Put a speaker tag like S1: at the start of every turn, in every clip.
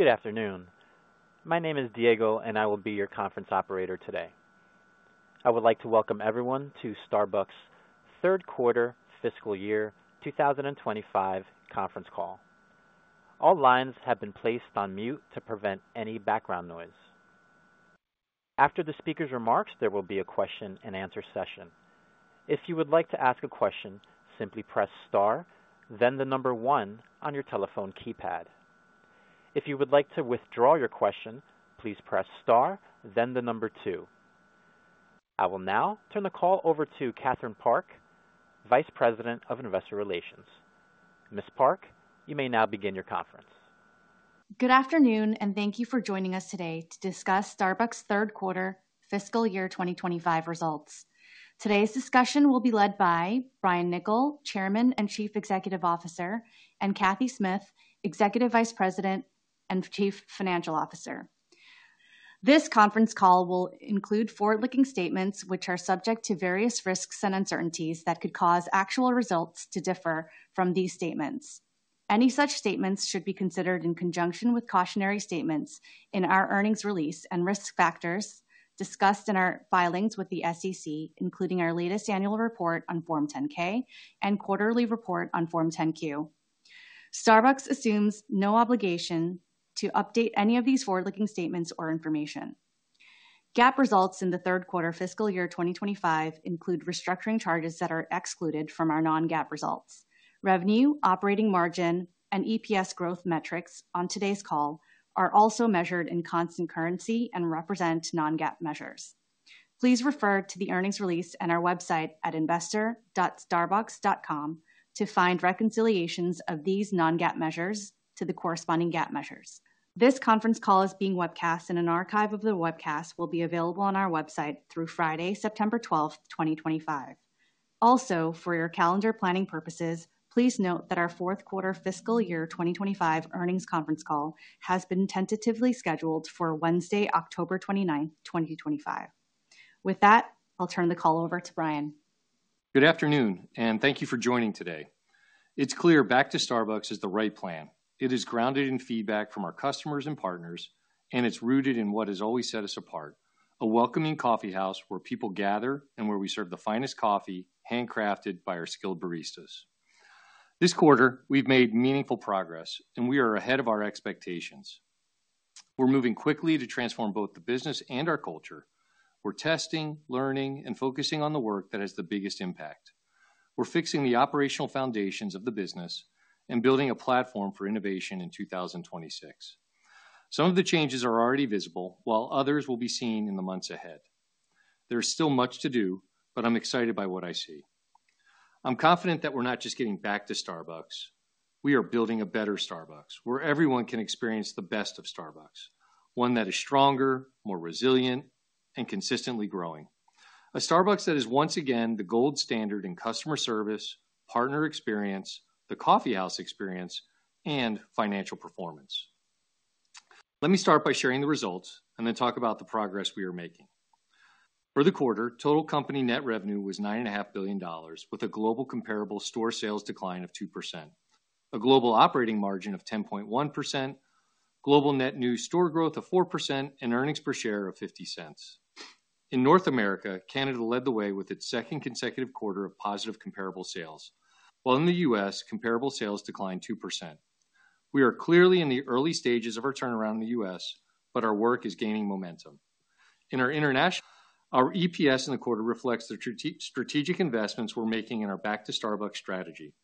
S1: Good afternoon. My name is Diego, and I will be your conference operator today. I would like to welcome everyone to Starbucks' third quarter fiscal year 2025 conference call. All lines have been placed on mute to prevent any background noise. After the speaker's remarks, there will be a Q&A session. If you would like to ask a question, simply press *, then the number one on your telephone keypad. If you would like to withdraw your question, please press *, then the number two. I will now turn the call over to Catherine Park, Vice President of Investor Relations. Ms. Park, you may now begin your conference.
S2: Good afternoon, and thank you for joining us today to discuss Starbucks' Third Quarter Fiscal Year 2025 results. Today's discussion will be led by Brian Niccol, Chairman and Chief Executive Officer, and Cathy Smith, Executive Vice President and Chief Financial Officer. This conference call will include forward-looking statements which are subject to various risks and uncertainties that could cause actual results to differ from these statements. Any such statements should be considered in conjunction with cautionary statements in our earnings release and risk factors discussed in our filings with the U.S. Securities and Exchange Commission, including our latest annual report on Form 10-K and quarterly report on Form 10-Q. Starbucks assumes no obligation to update any of these forward-looking statements or information. GAAP results in the third quarter fiscal year 2025 include restructuring charges that are excluded from our non-GAAP results. Revenue, operating margin, and EPS growth metrics on today's call are also measured in constant currency and represent non-GAAP measures. Please refer to the earnings release and our website at investor.starbucks.com to find reconciliations of these non-GAAP measures to the corresponding GAAP measures. This conference call is being webcast, and an archive of the webcast will be available on our website through Friday, September 12th, 2025. Also, for your calendar planning purposes, please note that our Fourth Quarter Fiscal Year 2025 Earnings Conference Call has been tentatively scheduled for Wednesday, October 29th, 2025. With that, I'll turn the call over to Brian.
S3: Good afternoon, and thank you for joining today. It's clear Back to Starbucks is the right plan. It is grounded in feedback from our customers and partners, and it's rooted in what has always set us apart: a welcoming coffeehouse where people gather and where we serve the finest coffee handcrafted by our skilled baristas. This quarter, we've made meaningful progress, and we are ahead of our expectations. We're moving quickly to transform both the business and our culture. We're testing, learning, and focusing on the work that has the biggest impact. We're fixing the operational foundations of the business and building a platform for innovation in 2026. Some of the changes are already visible, while others will be seen in the months ahead. There is still much to do, but I'm excited by what I see. I'm confident that we're not just getting back to Starbucks. We are building a better Starbucks, where everyone can experience the best of Starbucks, one that is stronger, more resilient, and consistently growing. A Starbucks that is once again the gold standard in customer service, partner experience, the coffeehouse experience, and financial performance. Let me start by sharing the results, and then talk about the progress we are making. For the quarter, total company net revenue was $9.5 billion, with a global comparable store sales decline of 2%, a global operating margin of 10.1%. Global net new store growth of 4%, and earnings per share of $0.50. In North America, Canada led the way with its second consecutive quarter of positive comparable sales, while in the U.S., comparable sales declined 2%. We are clearly in the early stages of our turnaround in the U.S., but our work is gaining momentum. In our international. Our EPS in the quarter reflects the strategic investments we're making in our Back to Starbucks strategy,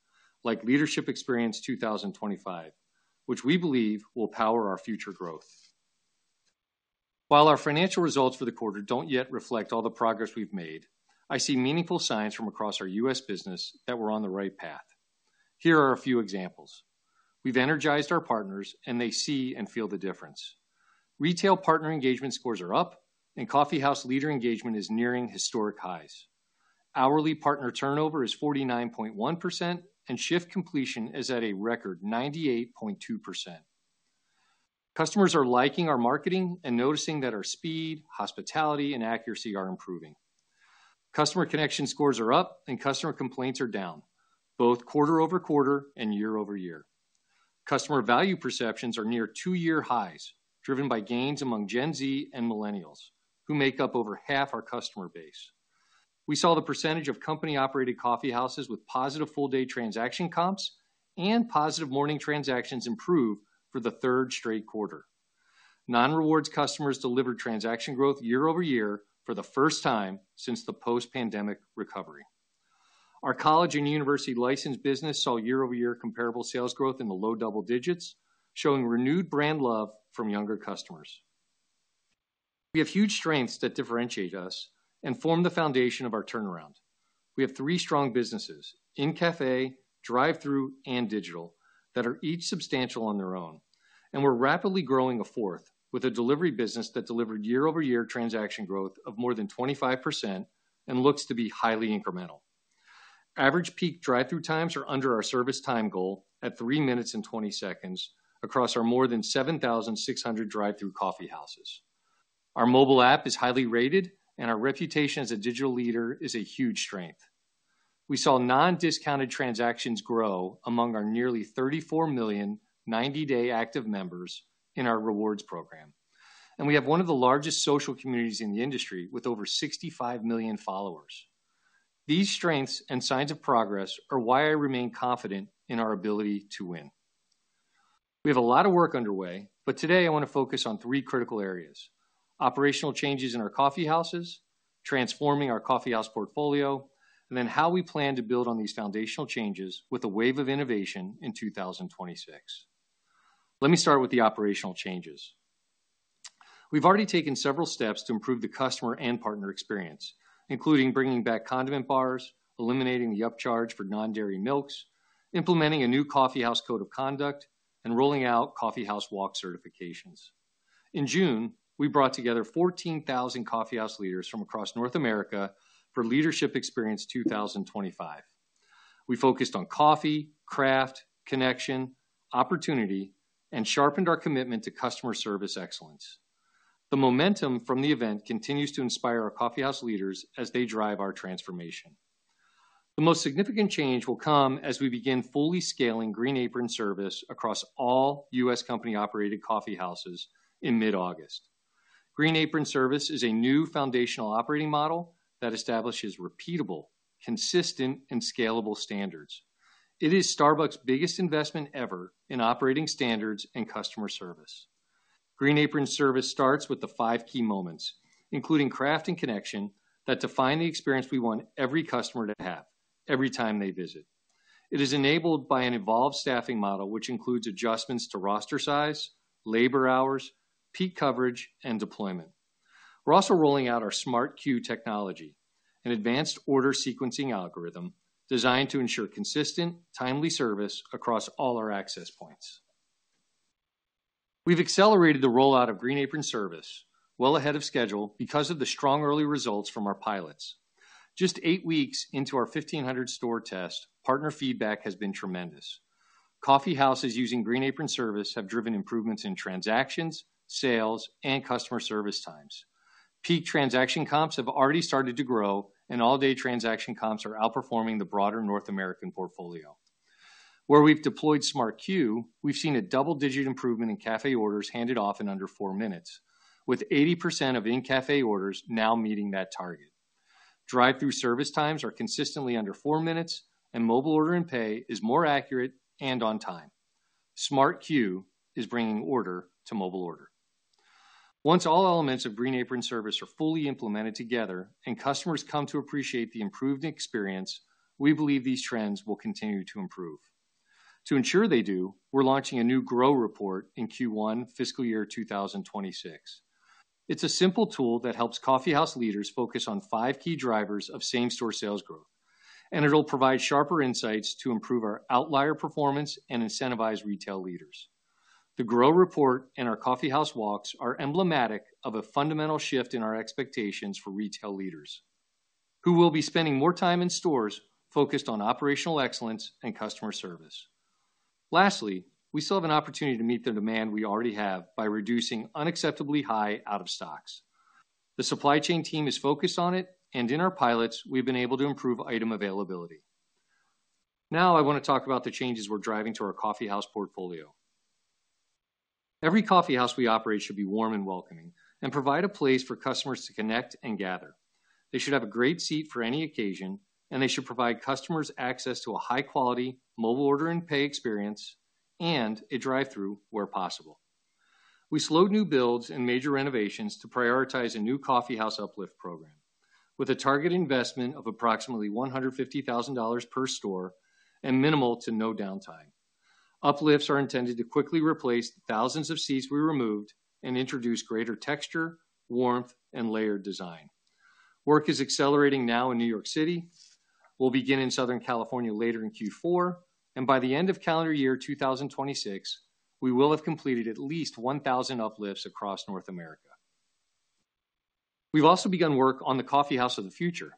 S3: like Leadership Experience 2025, which we believe will power our future growth. While our financial results for the quarter don't yet reflect all the progress we've made, I see meaningful signs from across our U.S. business that we're on the right path. Here are a few examples. We've energized our partners, and they see and feel the difference. Retail partner engagement scores are up, and coffeehouse leader engagement is nearing historic highs. Hourly partner turnover is 49.1%, and shift completion is at a record 98.2%. Customers are liking our marketing and noticing that our speed, hospitality, and accuracy are improving. Customer connection scores are up, and customer complaints are down, both quarter over quarter and year over year. Customer value perceptions are near two-year highs, driven by gains among Gen Z and Millennials, who make up over half our customer base. We saw the percentage of company-operated coffeehouses with positive full-day transaction comps and positive morning transactions improve for the third straight quarter. Non-Rewards customers delivered transaction growth year over year for the first time since the post-pandemic recovery. Our college and university licensed business saw year-over-year comparable sales growth in the low double digits, showing renewed brand love from younger customers. We have huge strengths that differentiate us and form the foundation of our turnaround. We have three strong businesses: in-cafe, drive-through, and digital, that are each substantial on their own, and we're rapidly growing a fourth with a delivery business that delivered year-over-year transaction growth of more than 25% and looks to be highly incremental. Average peak drive-through times are under our service time goal at three minutes and 20 seconds across our more than 7,600 drive-through coffeehouses. Our mobile app is highly rated, and our reputation as a digital leader is a huge strength. We saw non-discounted transactions grow among our nearly 34 million 90-day active members in our Rewards program, and we have one of the largest social communities in the industry with over 65 million followers. These strengths and signs of progress are why I remain confident in our ability to win. We have a lot of work underway, but today I want to focus on three critical areas: operational changes in our coffeehouses, transforming our coffeehouse portfolio, and then how we plan to build on these foundational changes with a wave of innovation in 2026. Let me start with the operational changes. We've already taken several steps to improve the customer and partner experience, including bringing back condiment bars, eliminating the upcharge for non-dairy milks, implementing a new coffeehouse code of conduct, and rolling out coffeehouse walk certifications. In June, we brought together 14,000 coffeehouse leaders from across North America for Leadership Experience 2025. We focused on coffee, craft, connection, opportunity, and sharpened our commitment to customer service excellence. The momentum from the event continues to inspire our coffeehouse leaders as they drive our transformation. The most significant change will come as we begin fully scaling Green Apron Service across all U.S. company-operated coffeehouses in mid-August. Green Apron Service is a new foundational operating model that establishes repeatable, consistent, and scalable standards. It is Starbucks' biggest investment ever in operating standards and customer service. Green Apron Service starts with the five key moments, including craft and connection, that define the experience we want every customer to have every time they visit. It is enabled by an evolved staffing model, which includes adjustments to roster size, labor hours, peak coverage, and deployment. We're also rolling out our Smart Queue technology, an advanced order sequencing algorithm designed to ensure consistent, timely service across all our access points. We've accelerated the rollout of Green Apron Service well ahead of schedule because of the strong early results from our pilots. Just eight weeks into our 1,500 store test, partner feedback has been tremendous. Coffeehouses using Green Apron Service have driven improvements in transactions, sales, and customer service times. Peak transaction comps have already started to grow, and all-day transaction comps are outperforming the broader North American portfolio. Where we've deployed Smart Queue, we've seen a double-digit improvement in cafe orders handed off in under four minutes, with 80% of in-cafe orders now meeting that target. Drive-through service times are consistently under four minutes, and mobile order and pay is more accurate and on time. Smart Queue is bringing order to mobile order. Once all elements of Green Apron Service are fully implemented together and customers come to appreciate the improved experience, we believe these trends will continue to improve. To ensure they do, we're launching a new GROW report in Q1 Fiscal Year 2026. It's a simple tool that helps coffeehouse leaders focus on five key drivers of same-store sales growth, and it'll provide sharper insights to improve our outlier performance and incentivize retail leaders. The GROW report and our coffeehouse walks are emblematic of a fundamental shift in our expectations for retail leaders, who will be spending more time in stores focused on operational excellence and customer service. Lastly, we still have an opportunity to meet the demand we already have by reducing unacceptably high out-of-stocks. The supply chain team is focused on it, and in our pilots, we've been able to improve item availability. Now, I want to talk about the changes we're driving to our coffeehouse portfolio. Every coffeehouse we operate should be warm and welcoming and provide a place for customers to connect and gather. They should have a great seat for any occasion, and they should provide customers access to a high-quality mobile order and pay experience and a drive-through where possible. We slowed new builds and major renovations to prioritize a new coffeehouse uplift program, with a target investment of approximately $150,000 per store and minimal to no downtime. Uplifts are intended to quickly replace thousands of seats we removed and introduce greater texture, warmth, and layered design. Work is accelerating now in New York City. We'll begin in Southern California later in Q4, and by the end of calendar year 2026, we will have completed at least 1,000 uplifts across North America. We've also begun work on the coffeehouse of the future.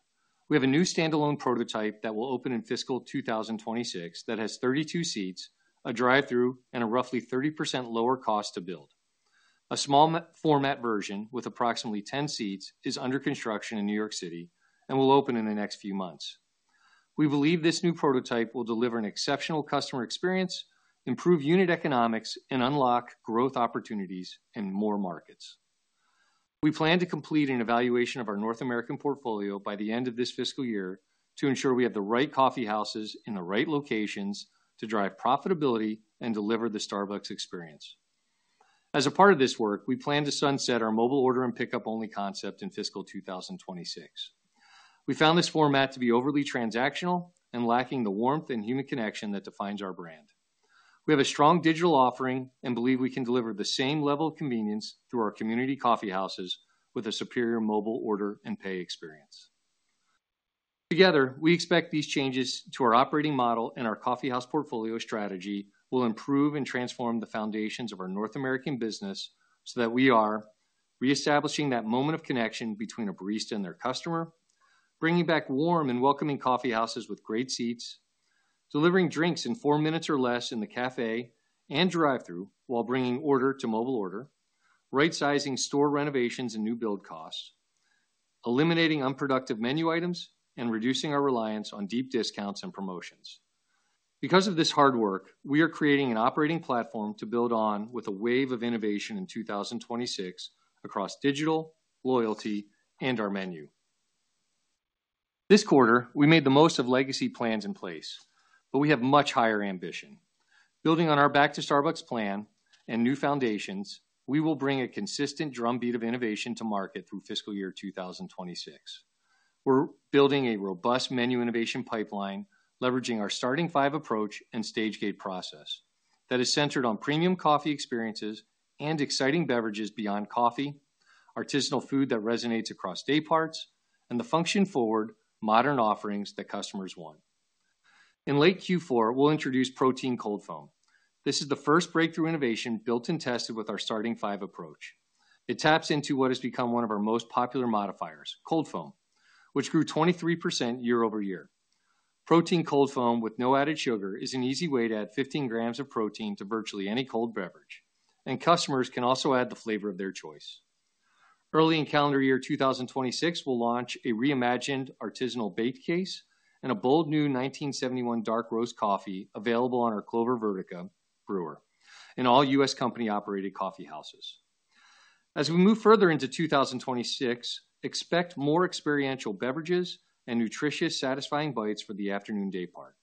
S3: We have a new standalone prototype that will open in fiscal 2026 that has 32 seats, a drive-through, and a roughly 30% lower cost to build. A small format version with approximately 10 seats is under construction in New York City and will open in the next few months. We believe this new prototype will deliver an exceptional customer experience, improve unit economics, and unlock growth opportunities in more markets. We plan to complete an evaluation of our North American portfolio by the end of this fiscal year to ensure we have the right coffeehouses in the right locations to drive profitability and deliver the Starbucks experience. As a part of this work, we plan to sunset our mobile order and pickup-only concept in fiscal 2026. We found this format to be overly transactional and lacking the warmth and human connection that defines our brand. We have a strong digital offering and believe we can deliver the same level of convenience through our community coffeehouses with a superior mobile order and pay experience. Together, we expect these changes to our operating model and our coffeehouse portfolio strategy will improve and transform the foundations of our North American business so that we are reestablishing that moment of connection between a barista and their customer, bringing back warm and welcoming coffeehouses with great seats, delivering drinks in four minutes or less in the cafe and drive-through while bringing order to mobile order, right-sizing store renovations and new build costs, eliminating unproductive menu items and reducing our reliance on deep discounts and promotions. Because of this hard work, we are creating an operating platform to build on with a wave of innovation in 2026 across digital, loyalty, and our menu. This quarter, we made the most of legacy plans in place, but we have much higher ambition. Building on our Back to Starbucks plan and new foundations, we will bring a consistent drumbeat of innovation to market through fiscal year 2026. We're building a robust menu innovation pipeline, leveraging our starting five approach and stage gate process that is centered on premium coffee experiences and exciting beverages beyond coffee, artisanal food that resonates across day parts, and the function-forward, modern offerings that customers want. In late Q4, we'll introduce protein cold foam. This is the first breakthrough innovation built and tested with our starting five approach. It taps into what has become one of our most popular modifiers, cold foam, which grew 23% year over year. Protein cold foam with no added sugar is an easy way to add 15 grams of protein to virtually any cold beverage, and customers can also add the flavor of their choice. Early in calendar year 2026, we'll launch a reimagined artisanal baked case and a bold new 1971 dark roast coffee available on our Clover Vertica Brewer in all U.S. company-operated coffeehouses. As we move further into 2026, expect more experiential beverages and nutritious, satisfying bites for the afternoon day part.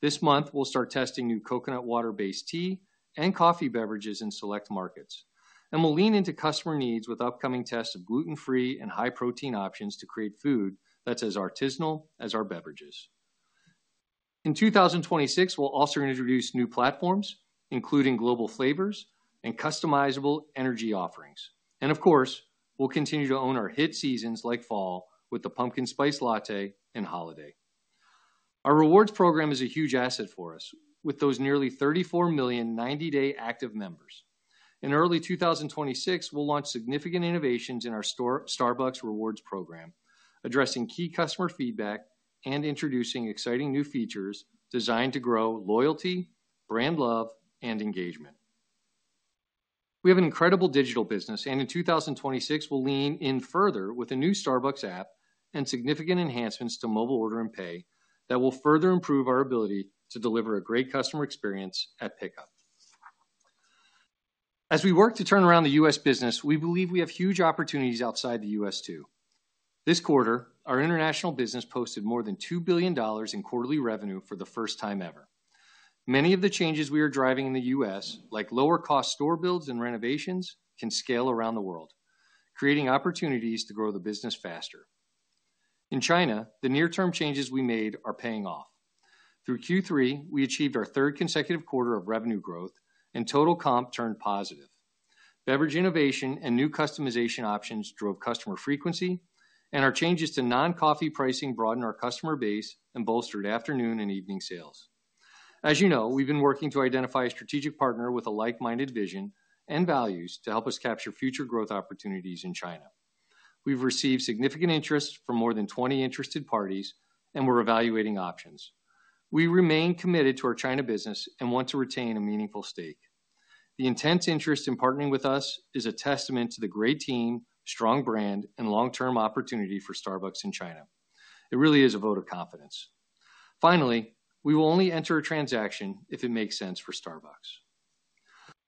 S3: This month, we'll start testing new coconut water-based tea and coffee beverages in select markets, and we'll lean into customer needs with upcoming tests of gluten-free and high-protein options to create food that's as artisanal as our beverages. In 2026, we'll also introduce new platforms, including global flavors and customizable energy offerings. Of course, we'll continue to own our hit seasons like fall with the Pumpkin Spice Latte and holiday. Our Rewards Program is a huge asset for us with those nearly 34 million 90-day active members. In early 2026, we'll launch significant innovations in our Starbucks Rewards Program, addressing key customer feedback and introducing exciting new features designed to grow loyalty, brand love, and engagement. We have an incredible digital business, and in 2026, we'll lean in further with a new Starbucks app and significant enhancements to mobile order and pay that will further improve our ability to deliver a great customer experience at pickup. As we work to turn around the U.S. business, we believe we have huge opportunities outside the U.S. too. This quarter, our international business posted more than $2 billion in quarterly revenue for the first time ever. Many of the changes we are driving in the U.S., like lower-cost store builds and renovations, can scale around the world, creating opportunities to grow the business faster. In China, the near-term changes we made are paying off. Through Q3, we achieved our third consecutive quarter of revenue growth, and total comp turned positive. Beverage innovation and new customization options drove customer frequency, and our changes to non-coffee pricing broadened our customer base and bolstered afternoon and evening sales. As you know, we've been working to identify a strategic partner with a like-minded vision and values to help us capture future growth opportunities in China. We've received significant interest from more than 20 interested parties, and we're evaluating options. We remain committed to our China business and want to retain a meaningful stake. The intense interest in partnering with us is a testament to the great team, strong brand, and long-term opportunity for Starbucks in China. It really is a vote of confidence. Finally, we will only enter a transaction if it makes sense for Starbucks.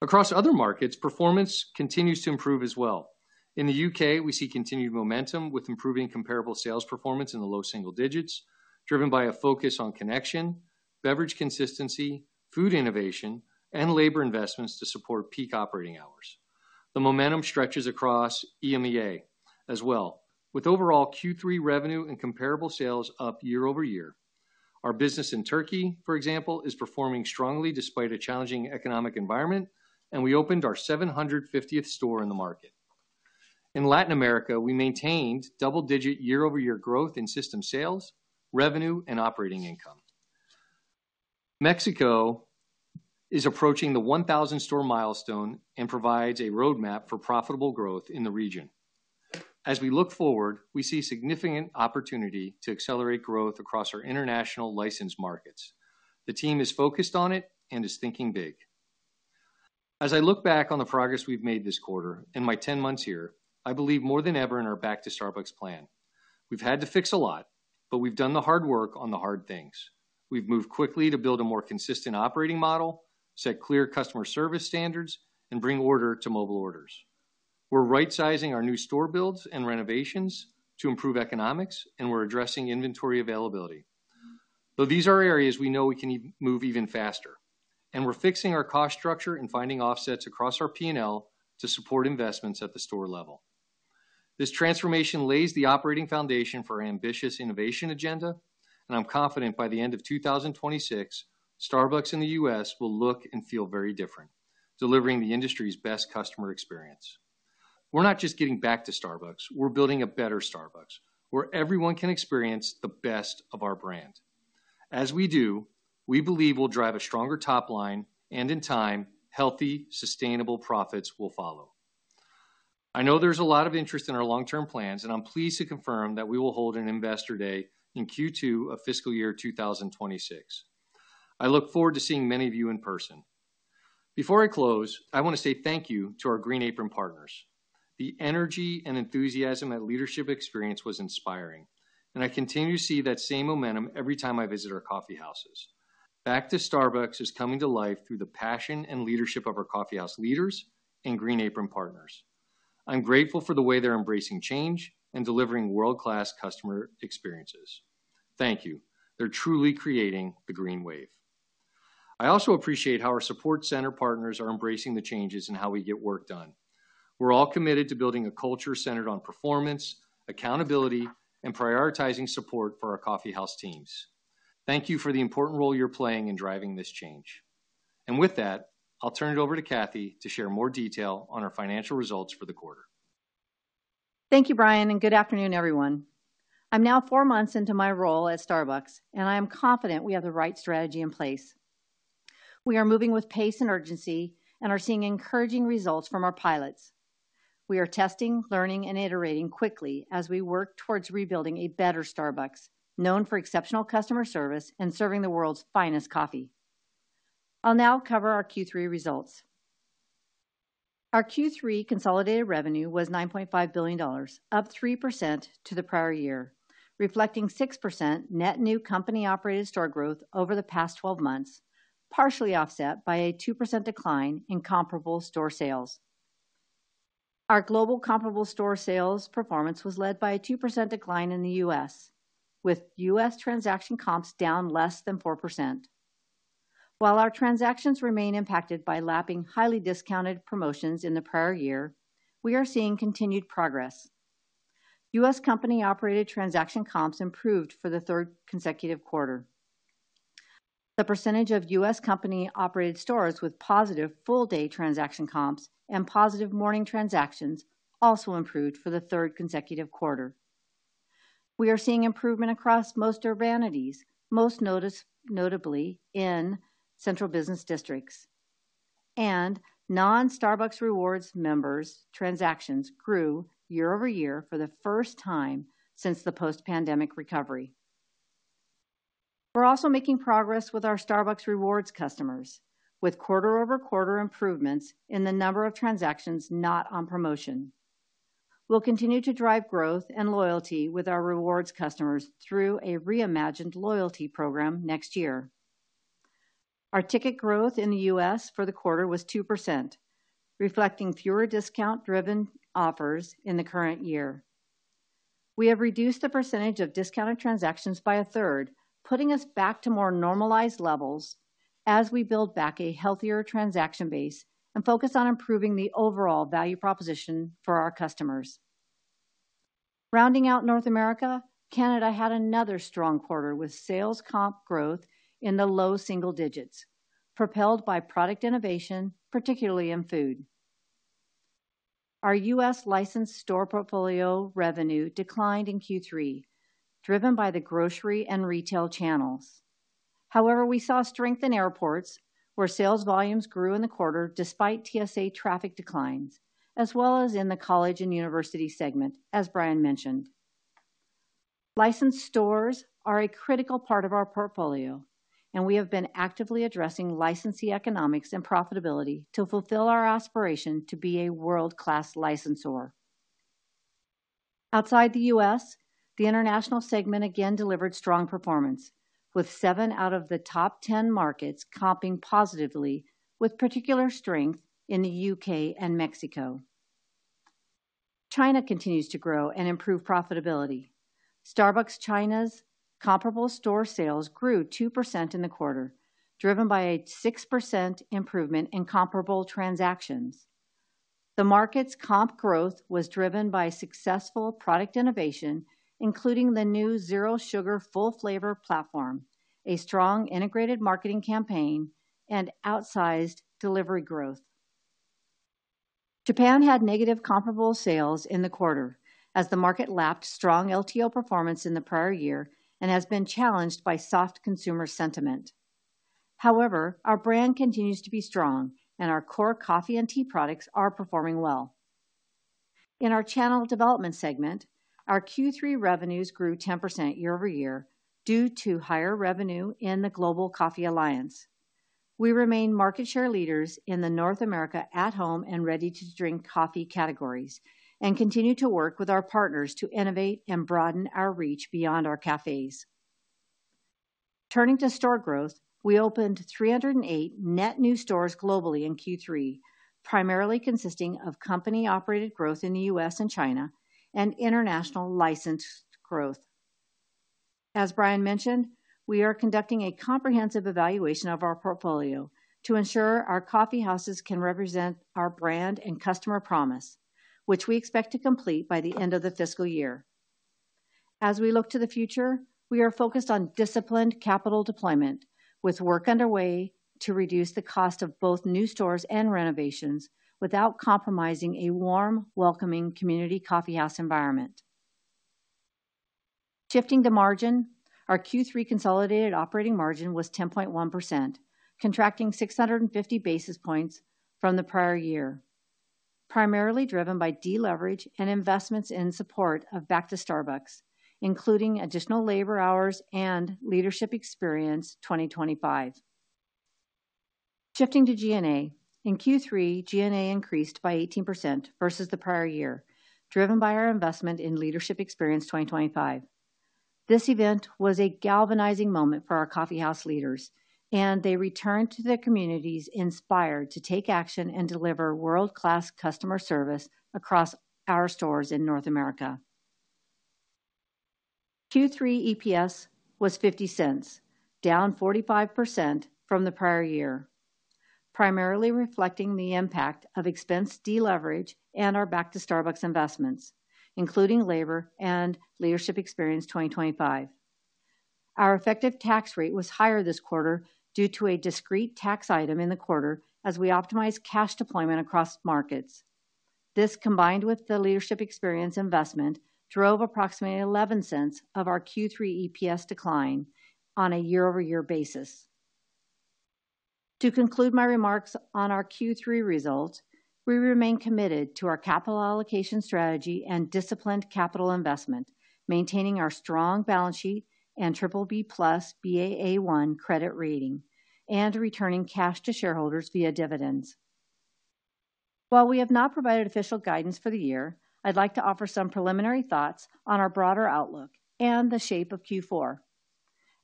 S3: Across other markets, performance continues to improve as well. In the U.K., we see continued momentum with improving comparable sales performance in the low single digits, driven by a focus on connection, beverage consistency, food innovation, and labor investments to support peak operating hours. The momentum stretches across EMEA as well, with overall Q3 revenue and comparable sales up year over year. Our business in Turkey, for example, is performing strongly despite a challenging economic environment, and we opened our 750th store in the market. In Latin America, we maintained double-digit year-over-year growth in system sales, revenue, and operating income. Mexico is approaching the 1,000-store milestone and provides a roadmap for profitable growth in the region. As we look forward, we see significant opportunity to accelerate growth across our international licensed markets. The team is focused on it and is thinking big. As I look back on the progress we've made this quarter and my 10 months here, I believe more than ever in our Back to Starbucks plan. We've had to fix a lot, but we've done the hard work on the hard things. We've moved quickly to build a more consistent operating model, set clear customer service standards, and bring order to mobile orders. We're right-sizing our new store builds and renovations to improve economics, and we're addressing inventory availability. Though these are areas we know we can move even faster, and we're fixing our cost structure and finding offsets across our P&L to support investments at the store level. This transformation lays the operating foundation for our ambitious innovation agenda, and I'm confident by the end of 2026, Starbucks in the U.S. will look and feel very different, delivering the industry's best customer experience. We're not just getting back to Starbucks. We're building a better Starbucks where everyone can experience the best of our brand. As we do, we believe we'll drive a stronger top line, and in time, healthy, sustainable profits will follow. I know there's a lot of interest in our long-term plans, and I'm pleased to confirm that we will hold an investor day in Q2 of fiscal year 2026. I look forward to seeing many of you in person. Before I close, I want to say thank you to our Green Apron partners. The energy and enthusiasm at Leadership Experience was inspiring, and I continue to see that same momentum every time I visit our coffeehouses. Back to Starbucks is coming to life through the passion and leadership of our coffeehouse leaders and Green Apron partners. I'm grateful for the way they're embracing change and delivering world-class customer experiences. Thank you. They're truly creating the green wave. I also appreciate how our support center partners are embracing the changes in how we get work done. We're all committed to building a culture centered on performance, accountability, and prioritizing support for our coffeehouse teams. Thank you for the important role you're playing in driving this change. With that, I'll turn it over to Cathy to share more detail on our financial results for the quarter.
S4: Thank you, Brian, and good afternoon, everyone. I'm now four months into my role at Starbucks, and I am confident we have the right strategy in place. We are moving with pace and urgency and are seeing encouraging results from our pilots. We are testing, learning, and iterating quickly as we work towards rebuilding a better Starbucks known for exceptional customer service and serving the world's finest coffee. I'll now cover our Q3 results. Our Q3 consolidated revenue was $9.5 billion, up 3% to the prior year, reflecting 6% net new company-operated store growth over the past 12 months, partially offset by a 2% decline in comparable store sales. Our global comparable store sales performance was led by a 2% decline in the U.S., with U.S. transaction comps down less than 4%. While our transactions remain impacted by lapping highly discounted promotions in the prior year, we are seeing continued progress. U.S. company-operated transaction comps improved for the third consecutive quarter. The percentage of U.S. company-operated stores with positive full-day transaction comps and positive morning transactions also improved for the third consecutive quarter. We are seeing improvement across most urbanities, most notably in central business districts. Non-Starbucks Rewards members' transactions grew year over year for the first time since the post-pandemic recovery. We're also making progress with our Starbucks Rewards customers, with quarter-over-quarter improvements in the number of transactions not on promotion. We'll continue to drive growth and loyalty with our Rewards customers through a reimagined loyalty program next year. Our ticket growth in the U.S. for the quarter was 2%, reflecting fewer discount-driven offers in the current year. We have reduced the percentage of discounted transactions by a third, putting us back to more normalized levels as we build back a healthier transaction base and focus on improving the overall value proposition for our customers. Rounding out North America, Canada had another strong quarter with sales comp growth in the low single digits, propelled by product innovation, particularly in food. Our U.S. licensed store portfolio revenue declined in Q3, driven by the grocery and retail channels. However, we saw strength in airports, where sales volumes grew in the quarter despite TSA traffic declines, as well as in the college and university segment, as Brian mentioned. Licensed stores are a critical part of our portfolio, and we have been actively addressing licensee economics and profitability to fulfill our aspiration to be a world-class licensor. Outside the U.S., the international segment again delivered strong performance, with seven out of the top 10 markets comping positively, with particular strength in the U.K. and Mexico. China continues to grow and improve profitability. Starbucks China's comparable store sales grew 2% in the quarter, driven by a 6% improvement in comparable transactions. The market's comp growth was driven by successful product innovation, including the new Zero Sugar full-flavor platform, a strong integrated marketing campaign, and outsized delivery growth. Japan had negative comparable sales in the quarter, as the market lapped strong LTO performance in the prior year and has been challenged by soft consumer sentiment. However, our brand continues to be strong, and our core coffee and tea products are performing well. In our channel development segment, our Q3 revenues grew 10% year over year due to higher revenue in the Global Coffee Alliance. We remain market share leaders in the North America at-home and ready-to-drink coffee categories and continue to work with our partners to innovate and broaden our reach beyond our cafes. Turning to store growth, we opened 308 net new stores globally in Q3, primarily consisting of company-operated growth in the U.S. and China and international licensed growth. As Brian mentioned, we are conducting a comprehensive evaluation of our portfolio to ensure our coffeehouses can represent our brand and customer promise, which we expect to complete by the end of the fiscal year. As we look to the future, we are focused on disciplined capital deployment, with work underway to reduce the cost of both new stores and renovations without compromising a warm, welcoming community coffeehouse environment. Shifting to margin, our Q3 consolidated operating margin was 10.1%, contracting 650 basis points from the prior year, primarily driven by deleverage and investments in support of Back to Starbucks, including additional labor hours and Leadership Experience 2025. Shifting to G&A, in Q3, G&A increased by 18% versus the prior year, driven by our investment in Leadership Experience 2025. This event was a galvanizing moment for our coffeehouse leaders, and they returned to their communities inspired to take action and deliver world-class customer service across our stores in North America. Q3 EPS was $0.50, down 45% from the prior year, primarily reflecting the impact of expense deleverage and our Back to Starbucks investments, including labor and Leadership Experience 2025. Our effective tax rate was higher this quarter due to a discrete tax item in the quarter as we optimized cash deployment across markets. This, combined with the Leadership Experience investment, drove approximately $0.11 of our Q3 EPS decline on a year-over-year basis. To conclude my remarks on our Q3 results, we remain committed to our capital allocation strategy and disciplined capital investment, maintaining our strong balance sheet and BBB plus BAA1 credit rating, and returning cash to shareholders via dividends. While we have not provided official guidance for the year, I'd like to offer some preliminary thoughts on our broader outlook and the shape of Q4.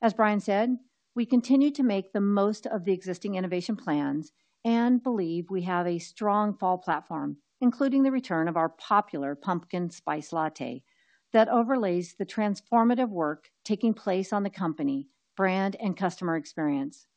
S4: As Brian said, we continue to make the most of the existing innovation plans and believe we have a strong fall platform, including the return of our popular Pumpkin Spice Latte that overlays the transformative work taking place on the company, brand, and customer experience.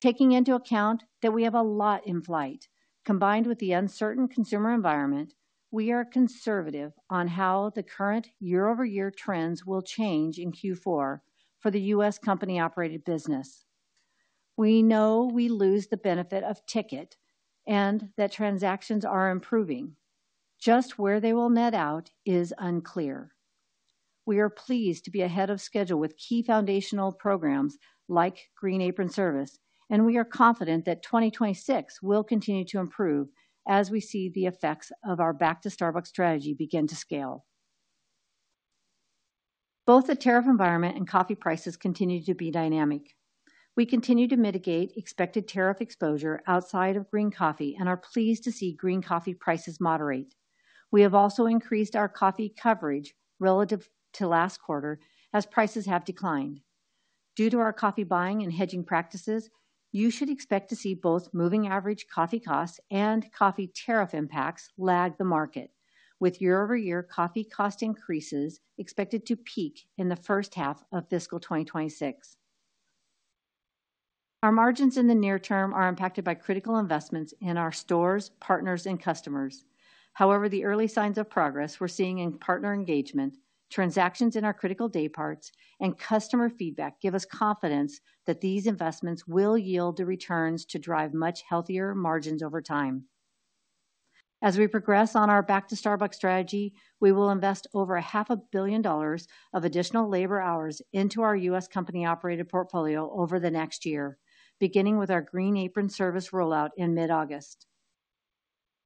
S4: Taking into account that we have a lot in flight, combined with the uncertain consumer environment, we are conservative on how the current year-over-year trends will change in Q4 for the U.S. company-operated business. We know we lose the benefit of ticket and that transactions are improving. Just where they will net out is unclear. We are pleased to be ahead of schedule with key foundational programs like Green Apron Service, and we are confident that 2026 will continue to improve as we see the effects of our Back to Starbucks strategy begin to scale. Both the tariff environment and coffee prices continue to be dynamic. We continue to mitigate expected tariff exposure outside of green coffee and are pleased to see green coffee prices moderate. We have also increased our coffee coverage relative to last quarter as prices have declined. Due to our coffee buying and hedging practices, you should expect to see both moving average coffee costs and coffee tariff impacts lag the market, with year-over-year coffee cost increases expected to peak in the first half of fiscal 2026. Our margins in the near term are impacted by critical investments in our stores, partners, and customers. However, the early signs of progress we're seeing in partner engagement, transactions in our critical day parts, and customer feedback give us confidence that these investments will yield the returns to drive much healthier margins over time. As we progress on our Back to Starbucks strategy, we will invest over $500,000,000 of additional labor hours into our U.S. company-operated portfolio over the next year, beginning with our Green Apron Service rollout in mid-August.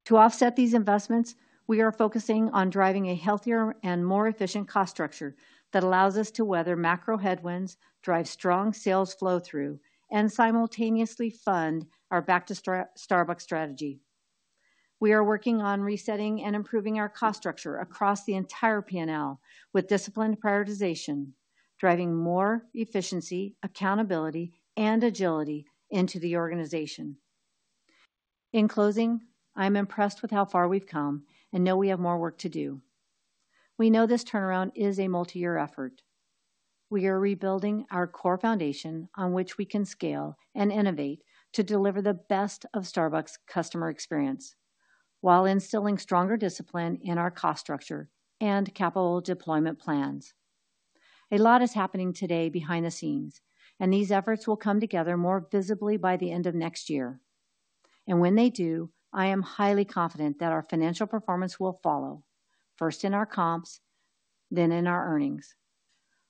S4: To offset these investments, we are focusing on driving a healthier and more efficient cost structure that allows us to weather macro headwinds, drive strong sales flow-through, and simultaneously fund our Back to Starbucks strategy. We are working on resetting and improving our cost structure across the entire P&L with disciplined prioritization, driving more efficiency, accountability, and agility into the organization. In closing, I'm impressed with how far we've come and know we have more work to do. We know this turnaround is a multi-year effort. We are rebuilding our core foundation on which we can scale and innovate to deliver the best of Starbucks customer experience while instilling stronger discipline in our cost structure and capital deployment plans. A lot is happening today behind the scenes, and these efforts will come together more visibly by the end of next year. When they do, I am highly confident that our financial performance will follow, first in our comps, then in our earnings.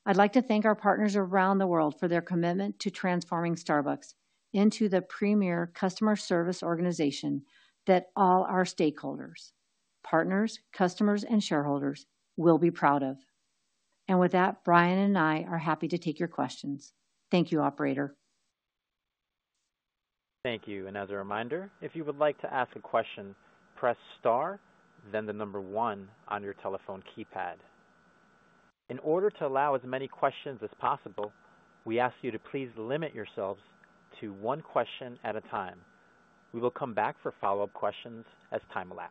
S4: I'd like to thank our partners around the world for their commitment to transforming Starbucks into the premier customer service organization that all our stakeholders, partners, customers, and shareholders will be proud of. With that, Brian and I are happy to take your questions. Thank you, Operator.
S1: Thank you. As a reminder, if you would like to ask a question, press *, then the number one on your telephone keypad. In order to allow as many questions as possible, we ask you to please limit yourselves to one question at a time. We will come back for follow-up questions as time allows.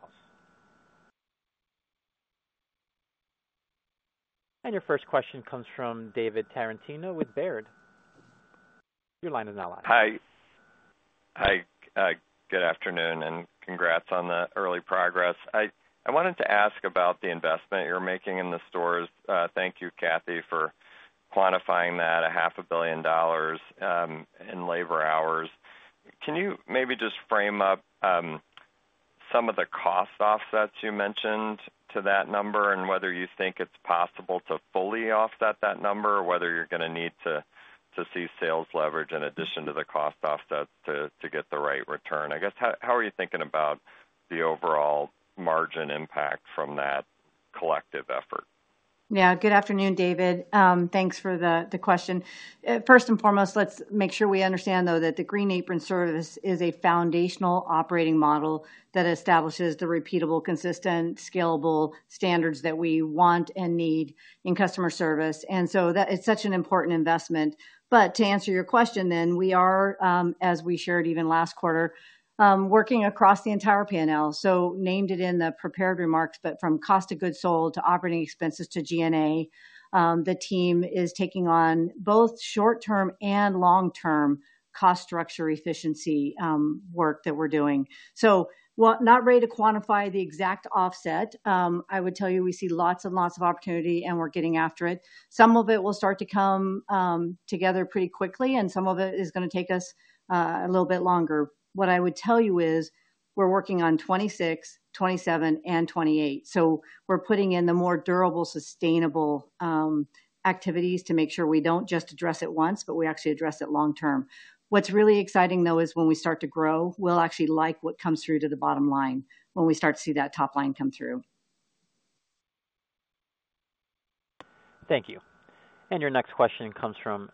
S1: Your first question comes from David Tarantino with Baird. Your line is now.
S5: Hi. Hi. Good afternoon and congrats on the early progress. I wanted to ask about the investment you're making in the stores. Thank you, Cathy, for quantifying that, $500,000,000. In labor hours. Can you maybe just frame up some of the cost offsets you mentioned to that number and whether you think it's possible to fully offset that number or whether you're going to need to see sales leverage in addition to the cost offsets to get the right return? I guess, how are you thinking about the overall margin impact from that collective effort?
S4: Yeah. Good afternoon, David. Thanks for the question. First and foremost, let's make sure we understand, though, that the Green Apron Service is a foundational operating model that establishes the repeatable, consistent, scalable standards that we want and need in customer service. That is such an important investment. To answer your question then, we are, as we shared even last quarter, working across the entire P&L. named it in the prepared remarks, but from cost of goods sold to operating expenses to G&A, the team is taking on both short-term and long-term cost structure efficiency work that we're doing. Not ready to quantify the exact offset. I would tell you we see lots and lots of opportunity, and we're getting after it. Some of it will start to come together pretty quickly, and some of it is going to take us a little bit longer. What I would tell you is we're working on 2026, 2027, and 2028. We're putting in the more durable, sustainable activities to make sure we don't just address it once, but we actually address it long-term. What's really exciting, though, is when we start to grow, we'll actually like what comes through to the bottom line when we start to see that top line come through.
S1: Thank you. Your next question comes from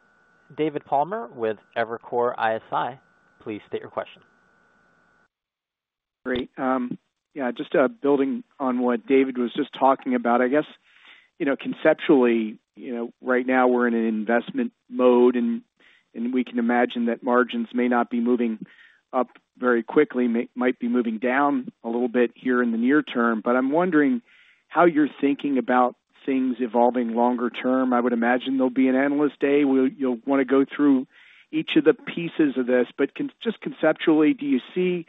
S1: David Palmer with Evercore ISI. Please state your question.
S6: Great. Yeah. Just building on what David was just talking about, I guess, conceptually, right now we're in an investment mode, and we can imagine that margins may not be moving up very quickly, might be moving down a little bit here in the near term. I'm wondering how you're thinking about things evolving longer term. I would imagine there'll be an analyst day where you'll want to go through each of the pieces of this. Just conceptually, do you see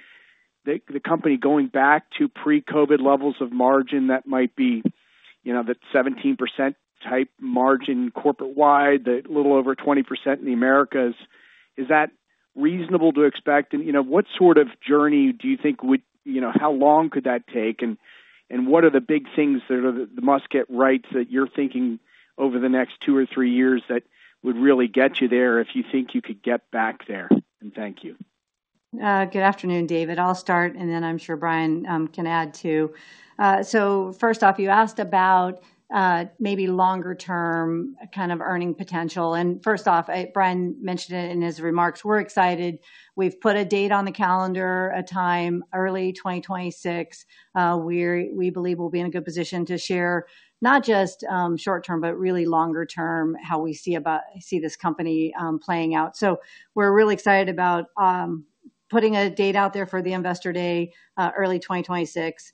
S6: the company going back to pre-COVID levels of margin that might be that 17% type margin corporate-wide, that little over 20% in the Americas? Is that reasonable to expect? What sort of journey do you think would how long could that take? What are the big things that must get right that you're thinking over the next two or three years that would really get you there if you think you could get back there? Thank you.
S4: Good afternoon, David. I'll start, and then I'm sure Brian can add to. First off, you asked about maybe longer-term kind of earning potential. First off, Brian mentioned it in his remarks. We're excited. We've put a date on the calendar, a time, early 2026. We believe we'll be in a good position to share not just short-term, but really longer-term how we see this company playing out. We're really excited about putting a date out there for the investor day, early 2026.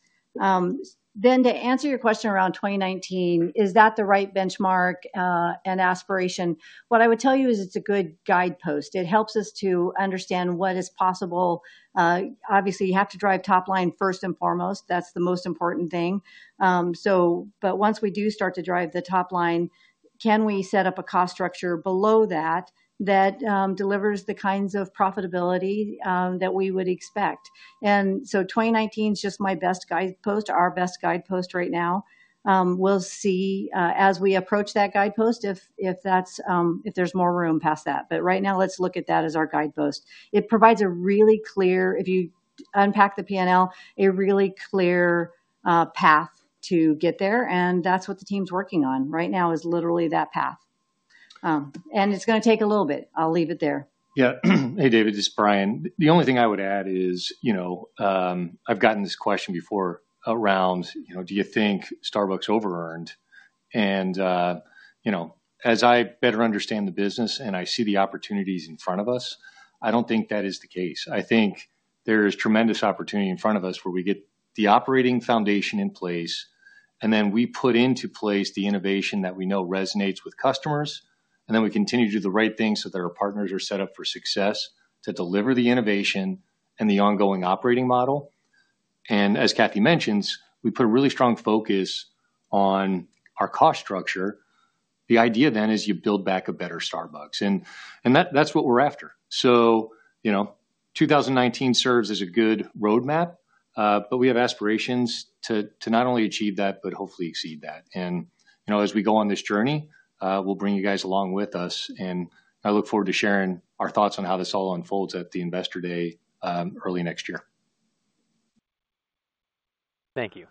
S4: To answer your question around 2019, is that the right benchmark and aspiration? What I would tell you is it's a good guidepost. It helps us to understand what is possible. Obviously, you have to drive top line first and foremost. That's the most important thing. Once we do start to drive the top line, can we set up a cost structure below that that delivers the kinds of profitability that we would expect? 2019 is just my best guidepost, our best guidepost right now. We'll see as we approach that guidepost if there's more room past that. Right now, let's look at that as our guidepost. It provides a really clear, if you unpack the P&L, a really clear path to get there. That's what the team's working on right now is literally that path. It's going to take a little bit. I'll leave it there.
S3: Yeah. Hey, David, this is Brian. The only thing I would add is I've gotten this question before around, do you think Starbucks over-earned? As I better understand the business and I see the opportunities in front of us, I don't think that is the case. I think there is tremendous opportunity in front of us where we get the operating foundation in place, and then we put into place the innovation that we know resonates with customers, and then we continue to do the right things so that our partners are set up for success to deliver the innovation and the ongoing operating model. As Kathy mentions, we put a really strong focus on our cost structure. The idea then is you build back a better Starbucks. That's what we're after. 2019 serves as a good roadmap, but we have aspirations to not only achieve that, but hopefully exceed that. As we go on this journey, we'll bring you guys along with us. I look forward to sharing our thoughts on how this all unfolds at the investor day early next year.
S1: Thank you.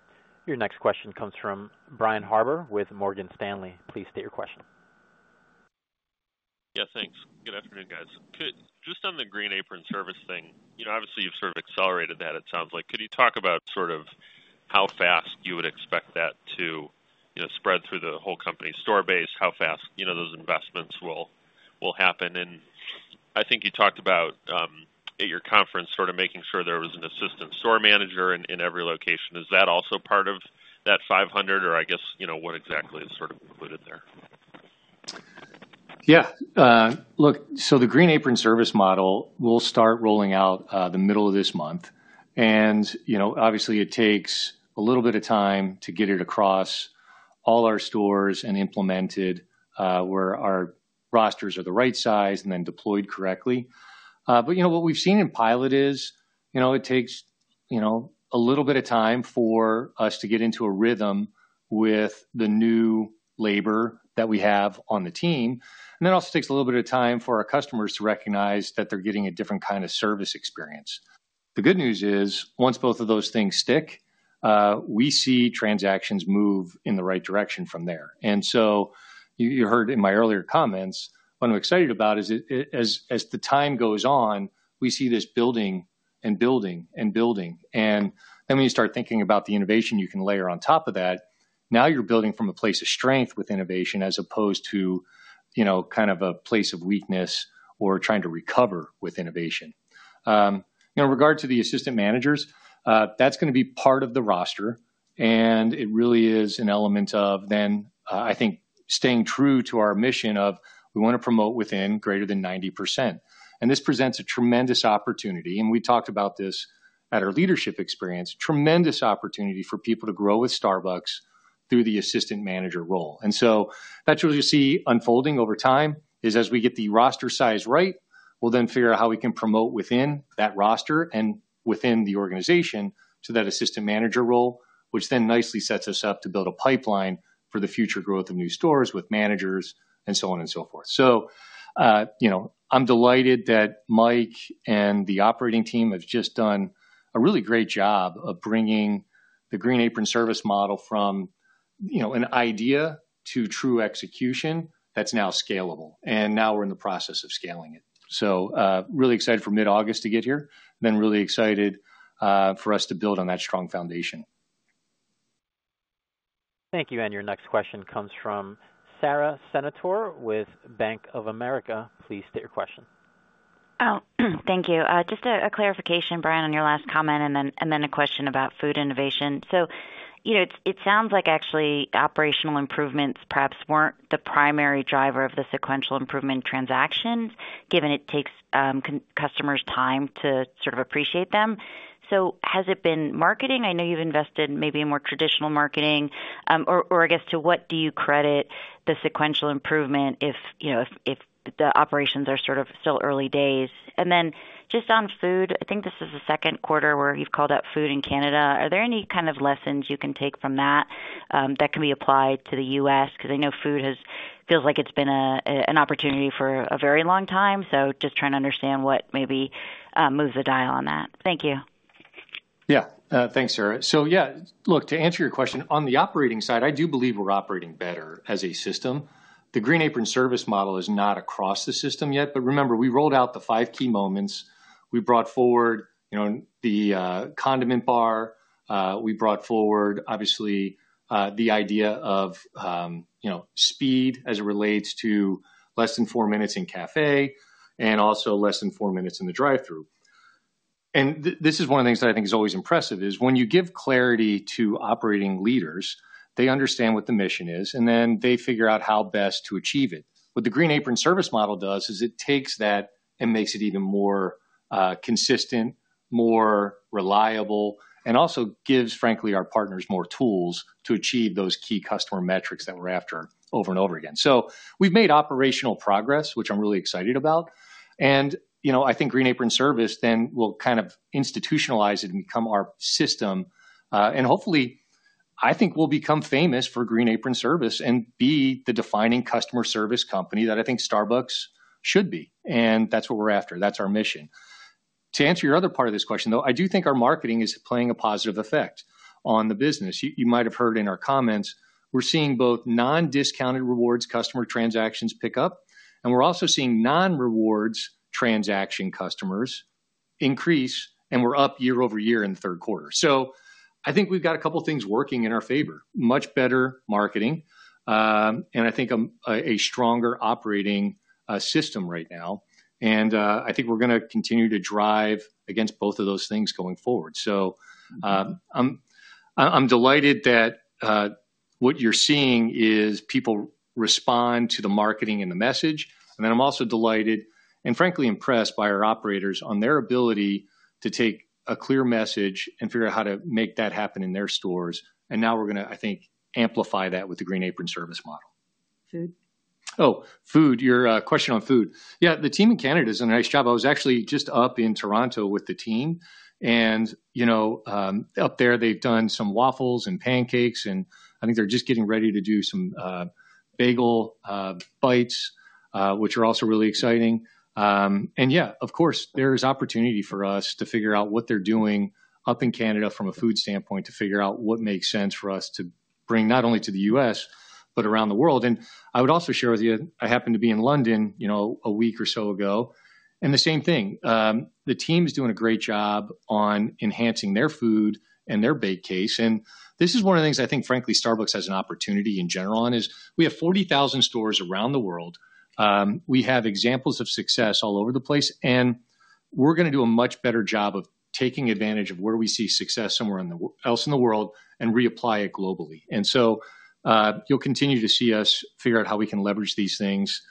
S1: Your next question comes from Brian Harbour with Morgan Stanley. Please state your question.
S7: Yeah. Thanks. Good afternoon, guys. Just on the Green Apron Service thing, obviously, you've sort of accelerated that, it sounds like. Could you talk about sort of how fast you would expect that to spread through the whole company store base, how fast those investments will happen? And I think you talked about at your conference sort of making sure there was an assistant store manager in every location. Is that also part of that 500, or I guess what exactly is sort of included there?
S3: Yeah. Look, so the Green Apron Service model will start rolling out the middle of this month. Obviously, it takes a little bit of time to get it across all our stores and implemented where our rosters are the right size and then deployed correctly. What we've seen in pilot is it takes a little bit of time for us to get into a rhythm with the new labor that we have on the team. It also takes a little bit of time for our customers to recognize that they're getting a different kind of service experience. The good news is once both of those things stick, we see transactions move in the right direction from there. You heard in my earlier comments, what I'm excited about is as the time goes on, we see this building and building and building. When you start thinking about the innovation you can layer on top of that, now you're building from a place of strength with innovation as opposed to kind of a place of weakness or trying to recover with innovation. In regard to the assistant managers, that's going to be part of the roster. It really is an element of, then, I think, staying true to our mission of we want to promote within greater than 90%. This presents a tremendous opportunity. We talked about this at our leadership experience, tremendous opportunity for people to grow with Starbucks through the assistant manager role. That's what you'll see unfolding over time is as we get the roster size right, we'll then figure out how we can promote within that roster and within the organization to that assistant manager role, which then nicely sets us up to build a pipeline for the future growth of new stores with managers and so on and so forth. I'm delighted that Mike and the operating team have just done a really great job of bringing the Green Apron Service model from an idea to true execution that's now scalable. And now we're in the process of scaling it. Really excited for mid-August to get here, then really excited for us to build on that strong foundation. Thank you. Your next question comes from Sara Senatore with Bank of America. Please state your question.
S8: Thank you. Just a clarification, Brian, on your last comment and then a question about food innovation. It sounds like actually operational improvements perhaps were not the primary driver of the sequential improvement transactions, given it takes customers time to sort of appreciate them. Has it been marketing? I know you've invested maybe in more traditional marketing. Or I guess to what do you credit the sequential improvement if the operations are sort of still early days? Just on food, I think this is the second quarter where you've called out food in Canada. Are there any kind of lessons you can take from that that can be applied to the U.S.? Because I know food feels like it's been an opportunity for a very long time. Just trying to understand what maybe moves the dial on that. Thank you.
S1: Yeah. Thanks, Sara. To answer your question, on the operating side, I do believe we're operating better as a system. The Green Apron Service model is not across the system yet. Remember, we rolled out the five key moments. We brought forward the condiment bar. We brought forward, obviously, the idea of speed as it relates to less than four minutes in café and also less than four minutes in the drive-thru. This is one of the things that I think is always impressive, when you give clarity to operating leaders, they understand what the mission is, and then they figure out how best to achieve it. What the Green Apron Service model does is it takes that and makes it even more consistent, more reliable, and also gives, frankly, our partners more tools to achieve those key customer metrics that we're after over and over again. We've made operational progress, which I'm really excited about. I think Green Apron Service then will kind of institutionalize it and become our system. Hopefully, I think we'll become famous for Green Apron Service and be the defining customer service company that I think Starbucks should be. That's what we're after. That's our mission. To answer your other part of this question, though, I do think our marketing is playing a positive effect on the business. You might have heard in our comments, we're seeing both non-discounted rewards customer transactions pick up, and we're also seeing non-rewards transaction customers increase, and we're up year over year in the third quarter. I think we've got a couple of things working in our favor: much better marketing. I think a stronger operating system right now. I think we're going to continue to drive against both of those things going forward. I'm delighted that what you're seeing is people respond to the marketing and the message. I'm also delighted and frankly impressed by our operators on their ability to take a clear message and figure out how to make that happen in their stores. Now we're going to, I think, amplify that with the Green Apron Service model. Food. Oh, food. Your question on food. Yeah. The team in Canada is doing a nice job. I was actually just up in Toronto with the team. Up there, they've done some waffles and pancakes. I think they're just getting ready to do some bagel bites, which are also really exciting. Yeah, of course, there is opportunity for us to figure out what they're doing up in Canada from a food standpoint to figure out what makes sense for us to bring not only to the United States, but around the world. I would also share with you, I happened to be in London a week or so ago. The same thing. The team is doing a great job on enhancing their food and their baked case. This is one of the things I think, frankly, Starbucks has an opportunity in general on is we have 40,000 stores around the world. We have examples of success all over the place. We're going to do a much better job of taking advantage of where we see success somewhere else in the world and reapply it globally. You'll continue to see us figure out how we can leverage these things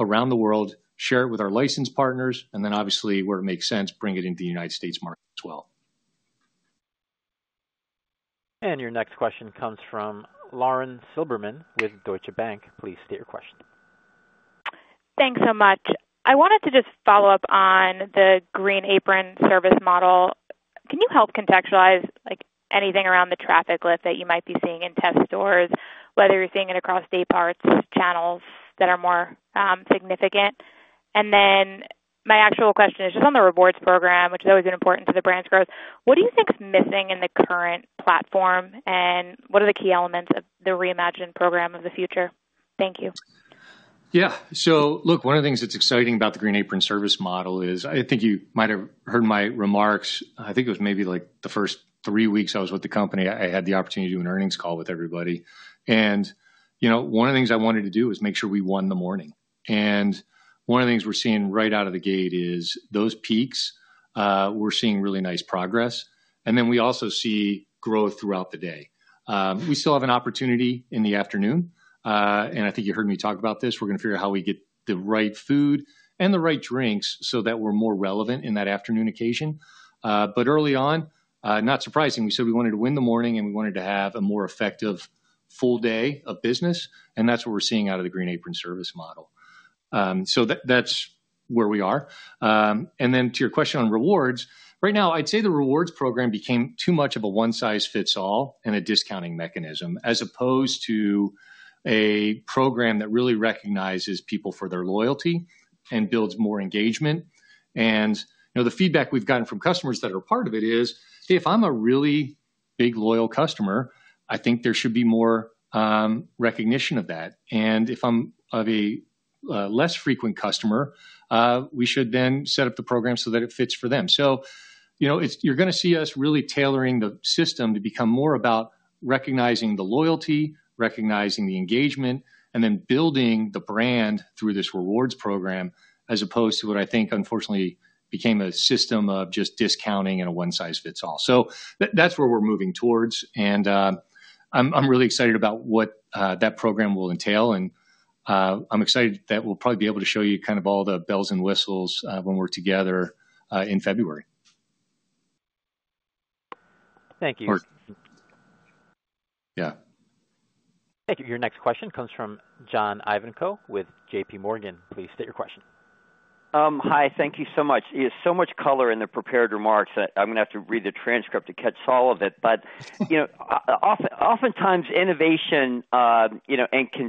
S1: around the world, share it with our licensed partners, and then, obviously, where it makes sense, bring it into the United States market as well. Your next question comes from Lauren Silberman with Deutsche Bank. Please state your question. Thanks so much.
S9: I wanted to just follow up on the Green Apron Service model. Can you help contextualize anything around the traffic lift that you might be seeing in test stores, whether you're seeing it across day parts, channels that are more significant? And then my actual question is just on the rewards program, which has always been important to the brand's growth. What do you think is missing in the current platform, and what are the key elements of the reimagined program of the future? Thank you.
S3: Yeah. One of the things that's exciting about the Green Apron Service model is I think you might have heard my remarks. I think it was maybe the first three weeks I was with the company, I had the opportunity to do an earnings call with everybody. One of the things I wanted to do was make sure we won the morning. One of the things we're seeing right out of the gate is those peaks, we're seeing really nice progress. We also see growth throughout the day. We still have an opportunity in the afternoon. I think you heard me talk about this. We're going to figure out how we get the right food and the right drinks so that we're more relevant in that afternoon occasion. Early on, not surprising, we said we wanted to win the morning, and we wanted to have a more effective full day of business. That's what we're seeing out of the Green Apron Service model. That's where we are. To your question on rewards, right now, I'd say the rewards program became too much of a one-size-fits-all and a discounting mechanism as opposed to a program that really recognizes people for their loyalty and builds more engagement. The feedback we've gotten from customers that are part of it is, "Hey, if I'm a really big loyal customer, I think there should be more recognition of that. And if I'm a less frequent customer, we should then set up the program so that it fits for them." You're going to see us really tailoring the system to become more about recognizing the loyalty, recognizing the engagement, and then building the brand through this rewards program as opposed to what I think, unfortunately, became a system of just discounting and a one-size-fits-all. That's where we're moving towards. I'm really excited about what that program will entail. I'm excited that we'll probably be able to show you kind of all the bells and whistles when we're together in February.
S1: Thank you.
S3: Yeah.
S1: Thank you. Your next question comes from John Ivankoe with J.P. Morgan. Please state your question.
S10: Hi. Thank you so much. There's so much color in the prepared remarks that I'm going to have to read the transcript to catch all of it. Oftentimes, innovation.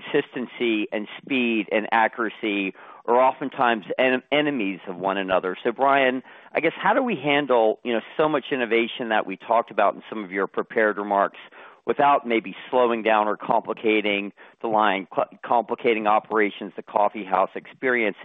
S10: Consistency and speed and accuracy are oftentimes enemies of one another. Brian, I guess, how do we handle so much innovation that we talked about in some of your prepared remarks without maybe slowing down or complicating the line? Complicating operations, the coffeehouse experience.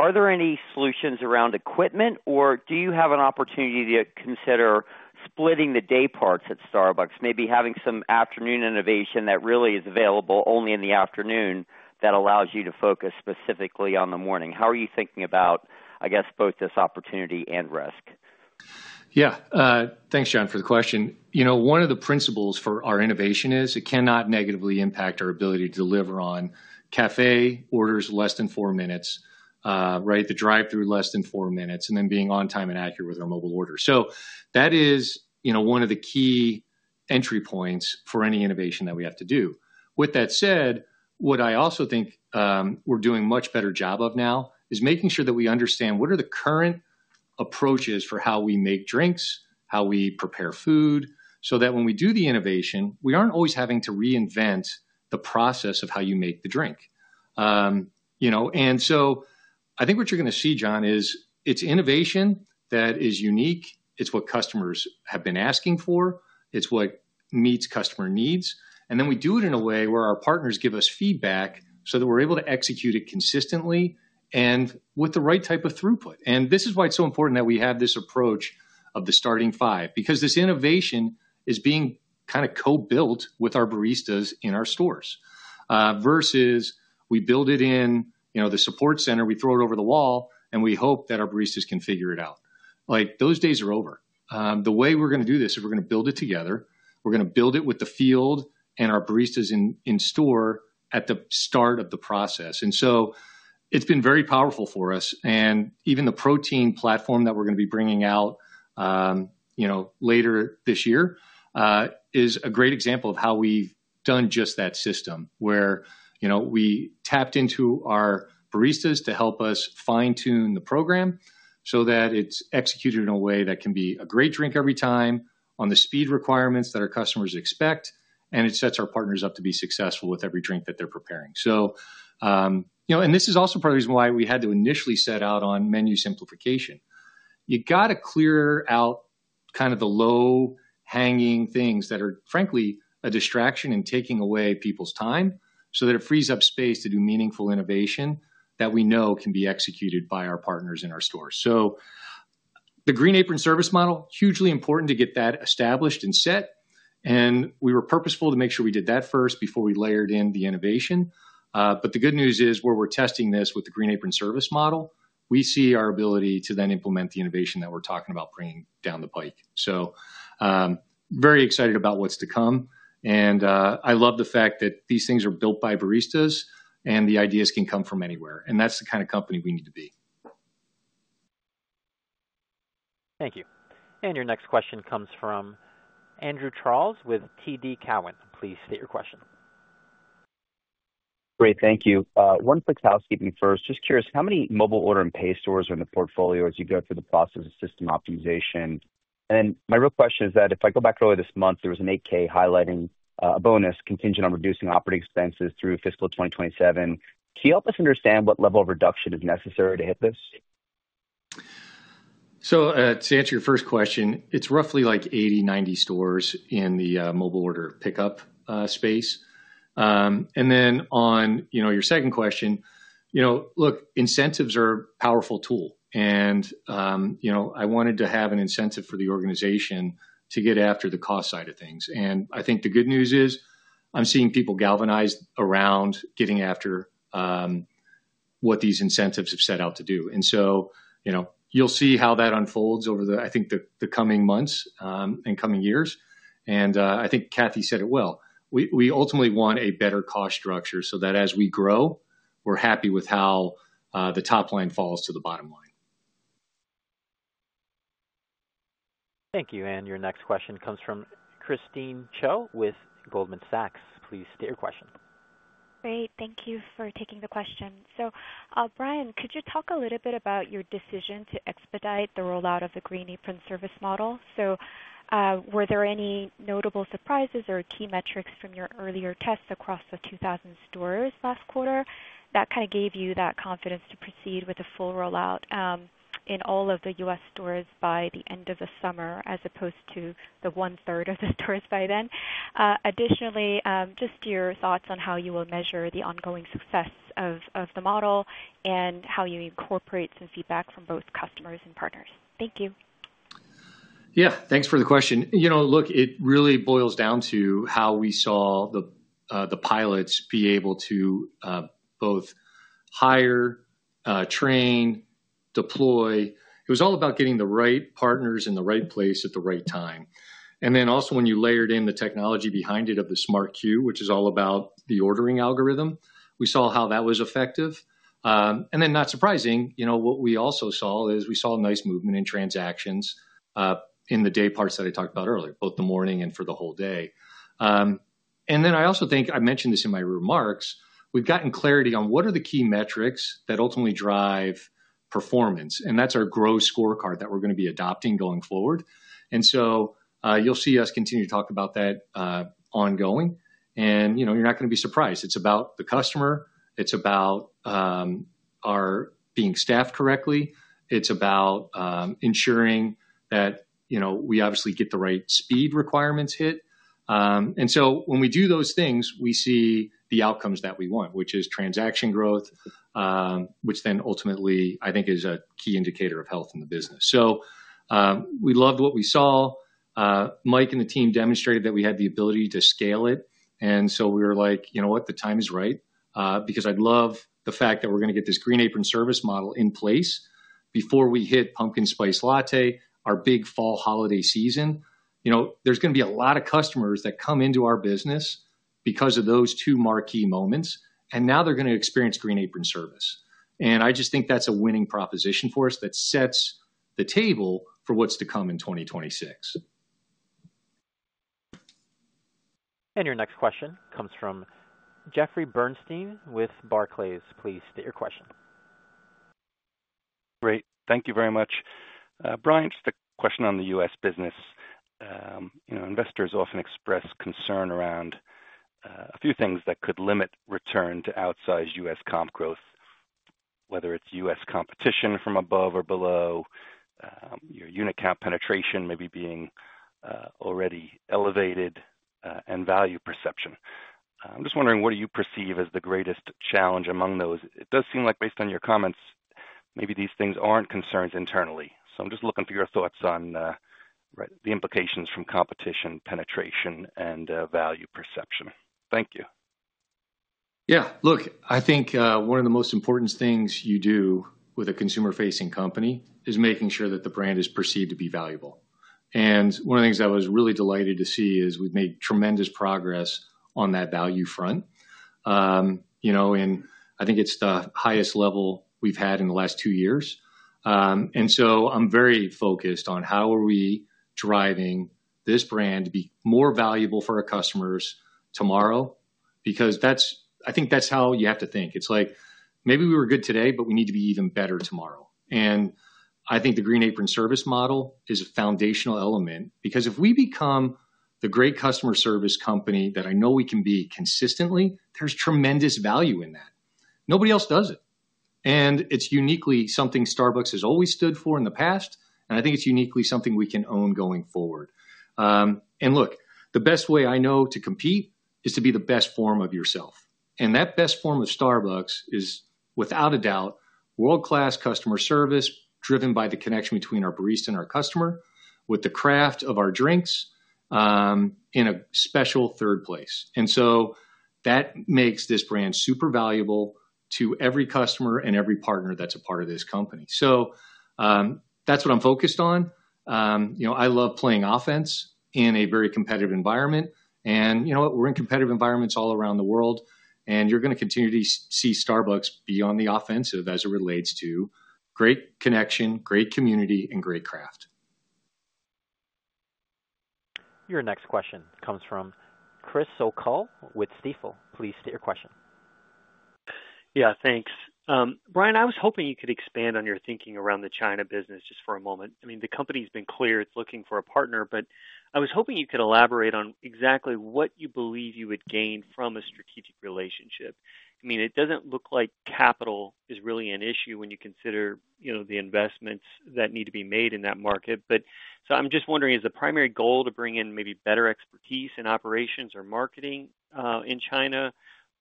S10: Are there any solutions around equipment, or do you have an opportunity to consider splitting the day parts at Starbucks, maybe having some afternoon innovation that really is available only in the afternoon that allows you to focus specifically on the morning? How are you thinking about, I guess, both this opportunity and risk?
S3: Yeah. Thanks, John, for the question. One of the principles for our innovation is it cannot negatively impact our ability to deliver on café orders less than four minutes, right? The drive-through less than four minutes, and then being on time and accurate with our mobile orders. That is one of the key entry points for any innovation that we have to do. With that said, what I also think we're doing a much better job of now is making sure that we understand what are the current approaches for how we make drinks, how we prepare food, so that when we do the innovation, we aren't always having to reinvent the process of how you make the drink. I think what you're going to see, John, is it's innovation that is unique. It's what customers have been asking for. It's what meets customer needs. We do it in a way where our partners give us feedback so that we're able to execute it consistently and with the right type of throughput. This is why it's so important that we have this approach of the starting five, because this innovation is being kind of co-built with our baristas in our stores versus we build it in the support center, we throw it over the wall, and we hope that our baristas can figure it out. Those days are over. The way we're going to do this is we're going to build it together. We're going to build it with the field and our baristas in store at the start of the process. It's been very powerful for us. Even the protein platform that we're going to be bringing out later this year is a great example of how we've done just that system where we tapped into our baristas to help us fine-tune the program so that it's executed in a way that can be a great drink every time on the speed requirements that our customers expect. It sets our partners up to be successful with every drink that they're preparing. This is also part of the reason why we had to initially set out on menu simplification. You have to clear out kind of the low-hanging things that are, frankly, a distraction and taking away people's time so that it frees up space to do meaningful innovation that we know can be executed by our partners in our stores. The Green Apron Service model, hugely important to get that established and set. We were purposeful to make sure we did that first before we layered in the innovation. The good news is, where we're testing this with the Green Apron Service model, we see our ability to then implement the innovation that we're talking about bringing down the pike. Very excited about what's to come. I love the fact that these things are built by baristas and the ideas can come from anywhere. That's the kind of company we need to be.
S1: Thank you. Your next question comes from Andrew Charles with TD Cowen. Please state your question.
S11: Great. Thank you. One quick housekeeping first. Just curious, how many mobile order and pay stores are in the portfolio as you go through the process of system optimization? My real question is that if I go back early this month, there was an 8K highlighting a bonus contingent on reducing operating expenses through Fiscal 2027. Can you help us understand what level of reduction is necessary to hit this?
S3: To answer your first question, it's roughly like 80-90 stores in the mobile order pickup space. On your second question, look, incentives are a powerful tool. I wanted to have an incentive for the organization to get after the cost side of things. I think the good news is I'm seeing people galvanized around getting after what these incentives have set out to do. You'll see how that unfolds over the, I think, the coming months and coming years. I think Cathy said it well. We ultimately want a better cost structure so that as we grow, we're happy with how the top line falls to the bottom line.
S1: Thank you. Your next question comes from Christine Cho with Goldman Sachs. Please state your question.
S12: Great. Thank you for taking the question. Brian, could you talk a little bit about your decision to expedite the rollout of the Green Apron Service model? Were there any notable surprises or key metrics from your earlier tests across the 2,000 stores last quarter that kind of gave you that confidence to proceed with a full rollout in all of the U.S. stores by the end of the summer as opposed to the one-third of the stores by then? Additionally, just your thoughts on how you will measure the ongoing success of the model and how you incorporate some feedback from both customers and partners. Thank you.
S3: Yeah. Thanks for the question. Look, it really boils down to how we saw the pilots be able to both hire, train, deploy. It was all about getting the right partners in the right place at the right time. And then also when you layered in the technology behind it of the Smart Queue, which is all about the ordering algorithm, we saw how that was effective. Not surprising, what we also saw is we saw a nice movement in transactions in the day parts that I talked about earlier, both the morning and for the whole day. I also think I mentioned this in my remarks. We've gotten clarity on what are the key metrics that ultimately drive performance. That's our growth scorecard that we're going to be adopting going forward. You'll see us continue to talk about that ongoing. You're not going to be surprised. It's about the customer. It's about our being staffed correctly. It's about ensuring that we obviously get the right speed requirements hit. When we do those things, we see the outcomes that we want, which is transaction growth, which then ultimately, I think, is a key indicator of health in the business. We loved what we saw. Mike and the team demonstrated that we had the ability to scale it. We were like, "You know what? The time is right." I love the fact that we're going to get this Green Apron Service model in place before we hit Pumpkin Spice Latte, our big fall holiday season. There's going to be a lot of customers that come into our business because of those two marquee moments. Now they're going to experience Green Apron Service. I just think that's a winning proposition for us that sets the table for what's to come in 2026.
S1: Your next question comes from Jeffrey Bernstein with Barclays. Please state your question.
S13: Great. Thank you very much. Brian, just a question on the U.S. business. Investors often express concern around a few things that could limit return to outsized U.S. comp growth, whether it's U.S. competition from above or below. Your unit count penetration maybe being already elevated. And value perception. I'm just wondering, what do you perceive as the greatest challenge among those? It does seem like, based on your comments, maybe these things aren't concerns internally. I'm just looking for your thoughts on the implications from competition, penetration, and value perception. Thank you.
S3: Yeah. Look, I think one of the most important things you do with a consumer-facing company is making sure that the brand is perceived to be valuable. One of the things I was really delighted to see is we've made tremendous progress on that value front. I think it's the highest level we've had in the last two years. I'm very focused on how are we driving this brand to be more valuable for our customers tomorrow? Because I think that's how you have to think. It's like maybe we were good today, but we need to be even better tomorrow. I think the Green Apron Service model is a foundational element because if we become the great customer service company that I know we can be consistently, there's tremendous value in that. Nobody else does it. It's uniquely something Starbucks has always stood for in the past. I think it's uniquely something we can own going forward. Look, the best way I know to compete is to be the best form of yourself. That best form of Starbucks is, without a doubt, world-class customer service driven by the connection between our barista and our customer with the craft of our drinks in a special third place. That makes this brand super valuable to every customer and every partner that's a part of this company. That's what I'm focused on. I love playing offense in a very competitive environment. You know what? We're in competitive environments all around the world. You're going to continue to see Starbucks be on the offensive as it relates to great connection, great community, and great craft.
S1: Your next question comes from Chris O'Cull with Stifel. Please state your question.
S14: Yeah. Thanks. Brian, I was hoping you could expand on your thinking around the China business just for a moment. I mean, the company has been clear it's looking for a partner, but I was hoping you could elaborate on exactly what you believe you would gain from a strategic relationship. I mean, it doesn't look like capital is really an issue when you consider the investments that need to be made in that market. I'm just wondering, is the primary goal to bring in maybe better expertise in operations or marketing in China?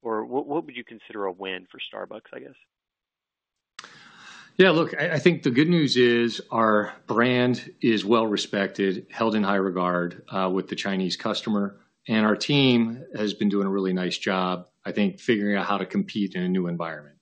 S14: Or what would you consider a win for Starbucks, I guess?
S3: Yeah. Look, I think the good news is our brand is well-respected, held in high regard with the Chinese customer. Our team has been doing a really nice job, I think, figuring out how to compete in a new environment,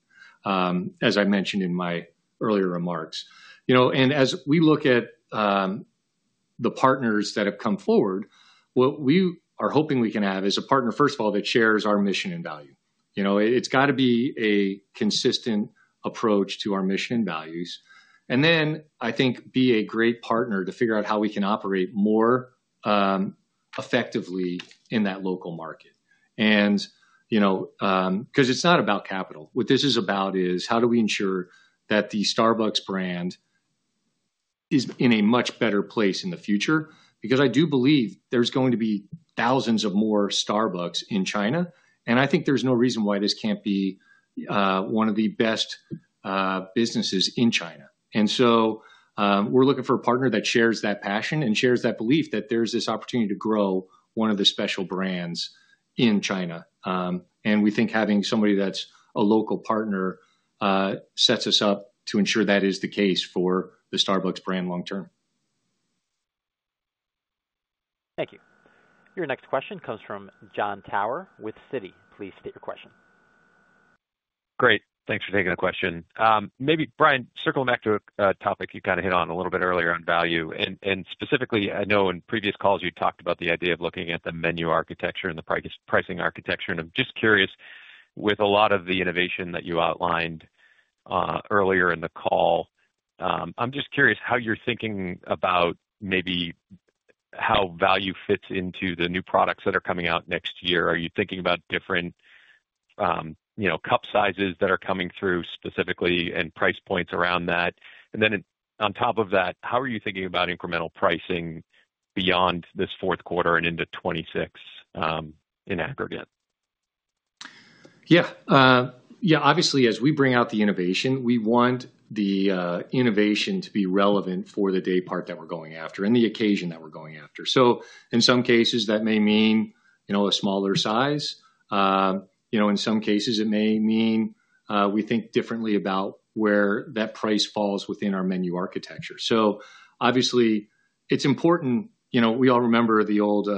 S3: as I mentioned in my earlier remarks. As we look at the partners that have come forward, what we are hoping we can have is a partner, first of all, that shares our mission and value. It's got to be a consistent approach to our mission and values. I think be a great partner to figure out how we can operate more effectively in that local market. Because it's not about capital. What this is about is how do we ensure that the Starbucks brand is in a much better place in the future? I do believe there's going to be thousands of more Starbucks in China. I think there's no reason why this can't be one of the best businesses in China. We're looking for a partner that shares that passion and shares that belief that there's this opportunity to grow one of the special brands in China. We think having somebody that's a local partner sets us up to ensure that is the case for the Starbucks brand long-term.
S1: Thank you. Your next question comes from Jon Tower with Citi. Please state your question.
S15: Great. Thanks for taking the question. Maybe, Brian, circling back to a topic you kind of hit on a little bit earlier on value. Specifically, I know in previous calls you talked about the idea of looking at the menu architecture and the pricing architecture. I'm just curious, with a lot of the innovation that you outlined earlier in the call, I'm just curious how you're thinking about maybe how value fits into the new products that are coming out next year. Are you thinking about different cup sizes that are coming through specifically and price points around that? On top of that, how are you thinking about incremental pricing beyond this Fourth Quarter and into 2026 in aggregate?
S3: Yeah. Obviously, as we bring out the innovation, we want the innovation to be relevant for the day part that we're going after and the occasion that we're going after. In some cases, that may mean a smaller size. In some cases, it may mean we think differently about where that price falls within our menu architecture. Obviously, it's important. We all remember the old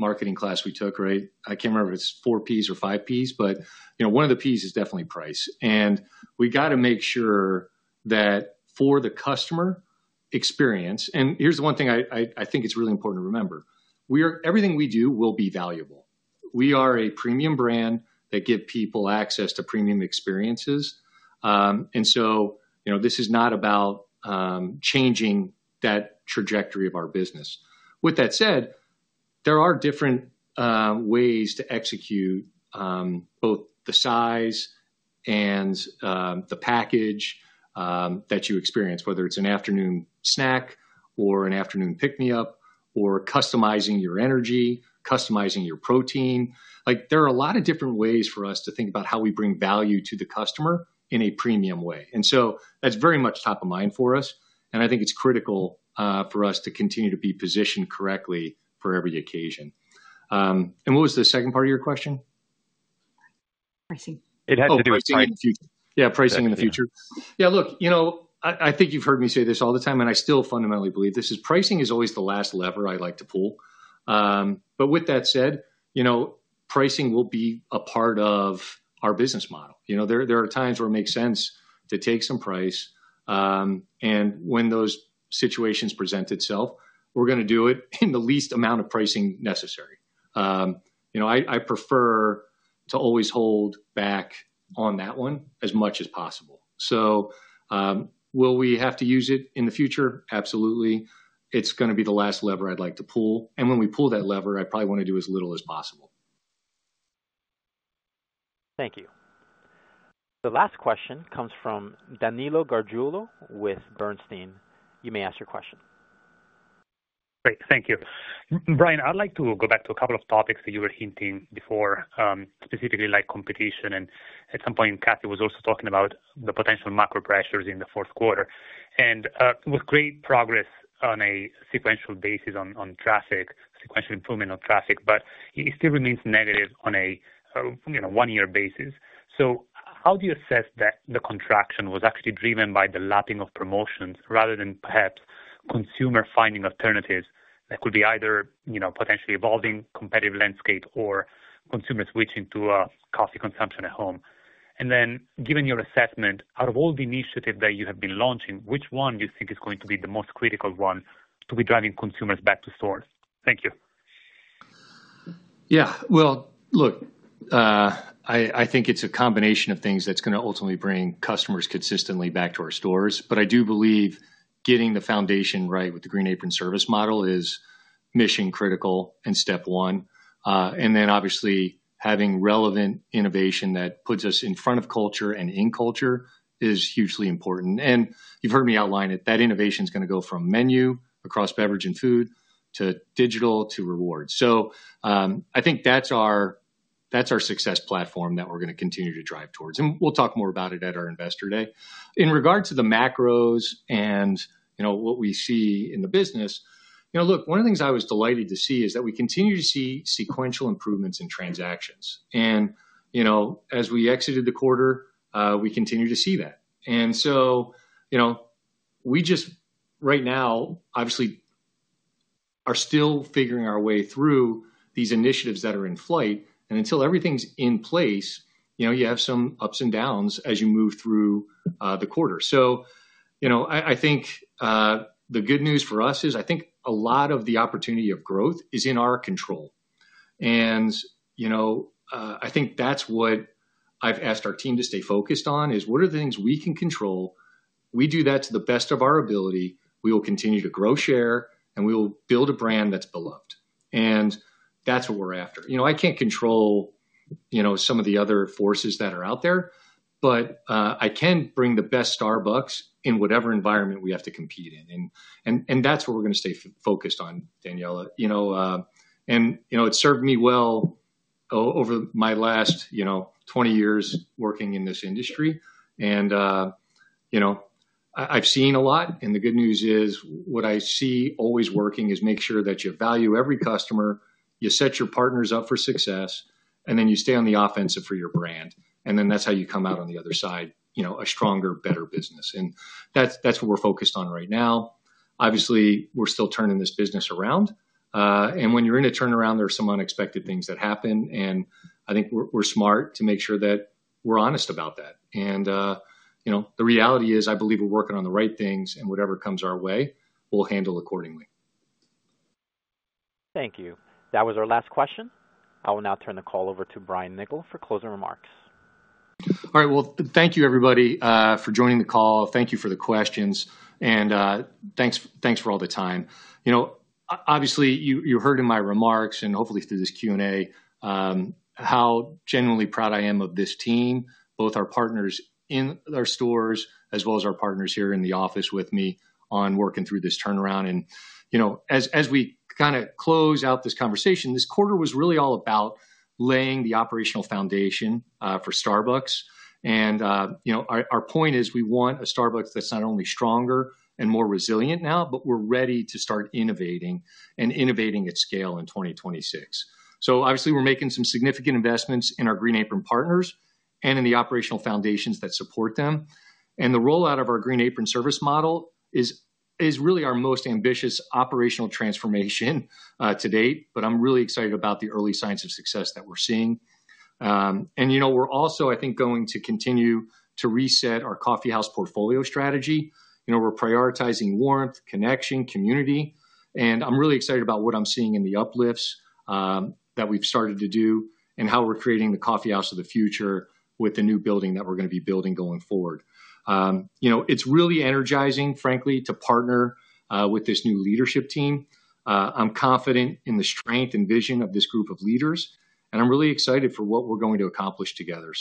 S3: marketing class we took, right? I can't remember if it's four Ps or five Ps, but one of the Ps is definitely price. We got to make sure that for the customer experience—and here's the one thing I think is really important to remember—everything we do will be valuable. We are a premium brand that gives people access to premium experiences. This is not about changing that trajectory of our business. With that said, there are different ways to execute. Both the size and the package that you experience, whether it's an afternoon snack or an afternoon pick-me-up or customizing your energy, customizing your protein. There are a lot of different ways for us to think about how we bring value to the customer in a premium way. That's very much top of mind for us. I think it's critical for us to continue to be positioned correctly for every occasion. What was the second part of your question? Pricing. It had to do with pricing. Yeah. Pricing in the future. Yeah. Look, I think you've heard me say this all the time, and I still fundamentally believe this is pricing is always the last lever I like to pull. With that said, pricing will be a part of our business model. There are times where it makes sense to take some price. When those situations present itself, we're going to do it in the least amount of pricing necessary. I prefer to always hold back on that one as much as possible. Will we have to use it in the future? Absolutely. It's going to be the last lever I'd like to pull. When we pull that lever, I probably want to do as little as possible.
S1: Thank you. The last question comes from Danilo Gargiulo with Bernstein. You may ask your question.
S16: Great. Thank you. Brian, I'd like to go back to a couple of topics that you were hinting before, specifically like competition. At some point, Cathy was also talking about the potential macro pressures in the fourth quarter. It was great progress on a sequential basis on traffic, sequential improvement on traffic, but it still remains negative on a one-year basis. How do you assess that the contraction was actually driven by the lapping of promotions rather than perhaps consumers finding alternatives that could be either potentially evolving competitive landscape or consumers switching to coffee consumption at home? Given your assessment, out of all the initiatives that you have been launching, which one do you think is going to be the most critical one to be driving consumers back to stores? Thank you.
S3: Yeah. Look, I think it's a combination of things that's going to ultimately bring customers consistently back to our stores. I do believe getting the foundation right with the Green Apron Service model is mission-critical and step one. Obviously, having relevant innovation that puts us in front of culture and in culture is hugely important. You've heard me outline it. That innovation is going to go from menu across beverage and food to digital to rewards. I think that's our success platform that we're going to continue to drive towards. We'll talk more about it at our investor day. In regards to the macros and what we see in the business, one of the things I was delighted to see is that we continue to see sequential improvements in transactions. As we exited the quarter, we continue to see that. We just, right now, obviously, are still figuring our way through these initiatives that are in flight. Until everything's in place, you have some ups and downs as you move through the quarter. I think the good news for us is I think a lot of the opportunity of growth is in our control. I think that's what I've asked our team to stay focused on is what are the things we can control? We do that to the best of our ability. We will continue to grow share, and we will build a brand that's beloved. That's what we're after. I can't control some of the other forces that are out there, but I can bring the best Starbucks in whatever environment we have to compete in. That's what we're going to stay focused on, Daniella. It's served me well over my last 20 years working in this industry. I've seen a lot. The good news is what I see always working is make sure that you value every customer, you set your partners up for success, and then you stay on the offensive for your brand. That's how you come out on the other side, a stronger, better business. That's what we're focused on right now. Obviously, we're still turning this business around. When you're in a turnaround, there are some unexpected things that happen. I think we're smart to make sure that we're honest about that. The reality is I believe we're working on the right things, and whatever comes our way, we'll handle accordingly.
S1: Thank you. That was our last question. I will now turn the call over to Brian Niccol for closing remarks.
S3: Thank you, everybody, for joining the call. Thank you for the questions. And thanks for all the time. Obviously, you heard in my remarks and hopefully through this Q&A how genuinely proud I am of this team, both our partners in our stores as well as our partners here in the office with me on working through this turnaround. As we kind of close out this conversation, this quarter was really all about laying the operational foundation for Starbucks. Our point is we want a Starbucks that's not only stronger and more resilient now, but we're ready to start innovating and innovating at scale in 2026. Obviously, we're making some significant investments in our Green Apron partners and in the operational foundations that support them. The rollout of our Green Apron Service model is really our most ambitious operational transformation to date. I'm really excited about the early signs of success that we're seeing. We're also, I think, going to continue to reset our coffeehouse portfolio strategy. We're prioritizing warmth, connection, community. I'm really excited about what I'm seeing in the uplifts that we've started to do and how we're creating the coffeehouse of the future with the new building that we're going to be building going forward. It's really energizing, frankly, to partner with this new leadership team. I'm confident in the strength and vision of this group of leaders. I'm really excited for what we're going to accomplish together.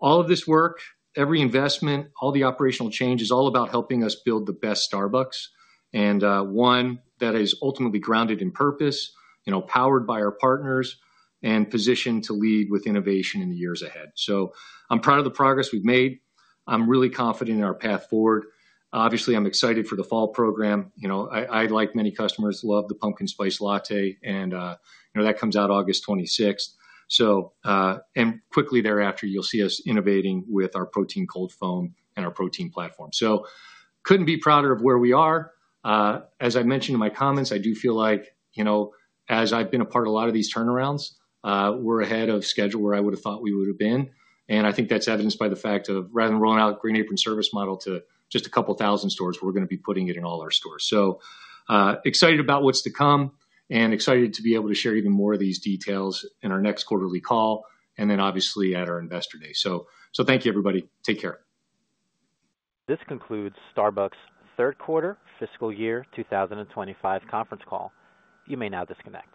S3: All of this work, every investment, all the operational change is all about helping us build the best Starbucks and one that is ultimately grounded in purpose, powered by our partners, and positioned to lead with innovation in the years ahead. I'm proud of the progress we've made. I'm really confident in our path forward. Obviously, I'm excited for the fall program. I, like many customers, love the Pumpkin Spice Latte, and that comes out August 26. Quickly thereafter, you'll see us innovating with our protein cold foam and our protein platform. Couldn't be prouder of where we are. As I mentioned in my comments, I do feel like. As I've been a part of a lot of these turnarounds, we're ahead of schedule where I would have thought we would have been. I think that's evidenced by the fact of rather than rolling out a Green Apron Service model to just a couple of thousand stores, we're going to be putting it in all our stores. Excited about what's to come and excited to be able to share even more of these details in our next quarterly call and then obviously at our investor day. Thank you, everybody. Take care.
S1: This concludes Starbucks' Third Quarter, Fiscal Year 2025 Conference Call. You may now disconnect.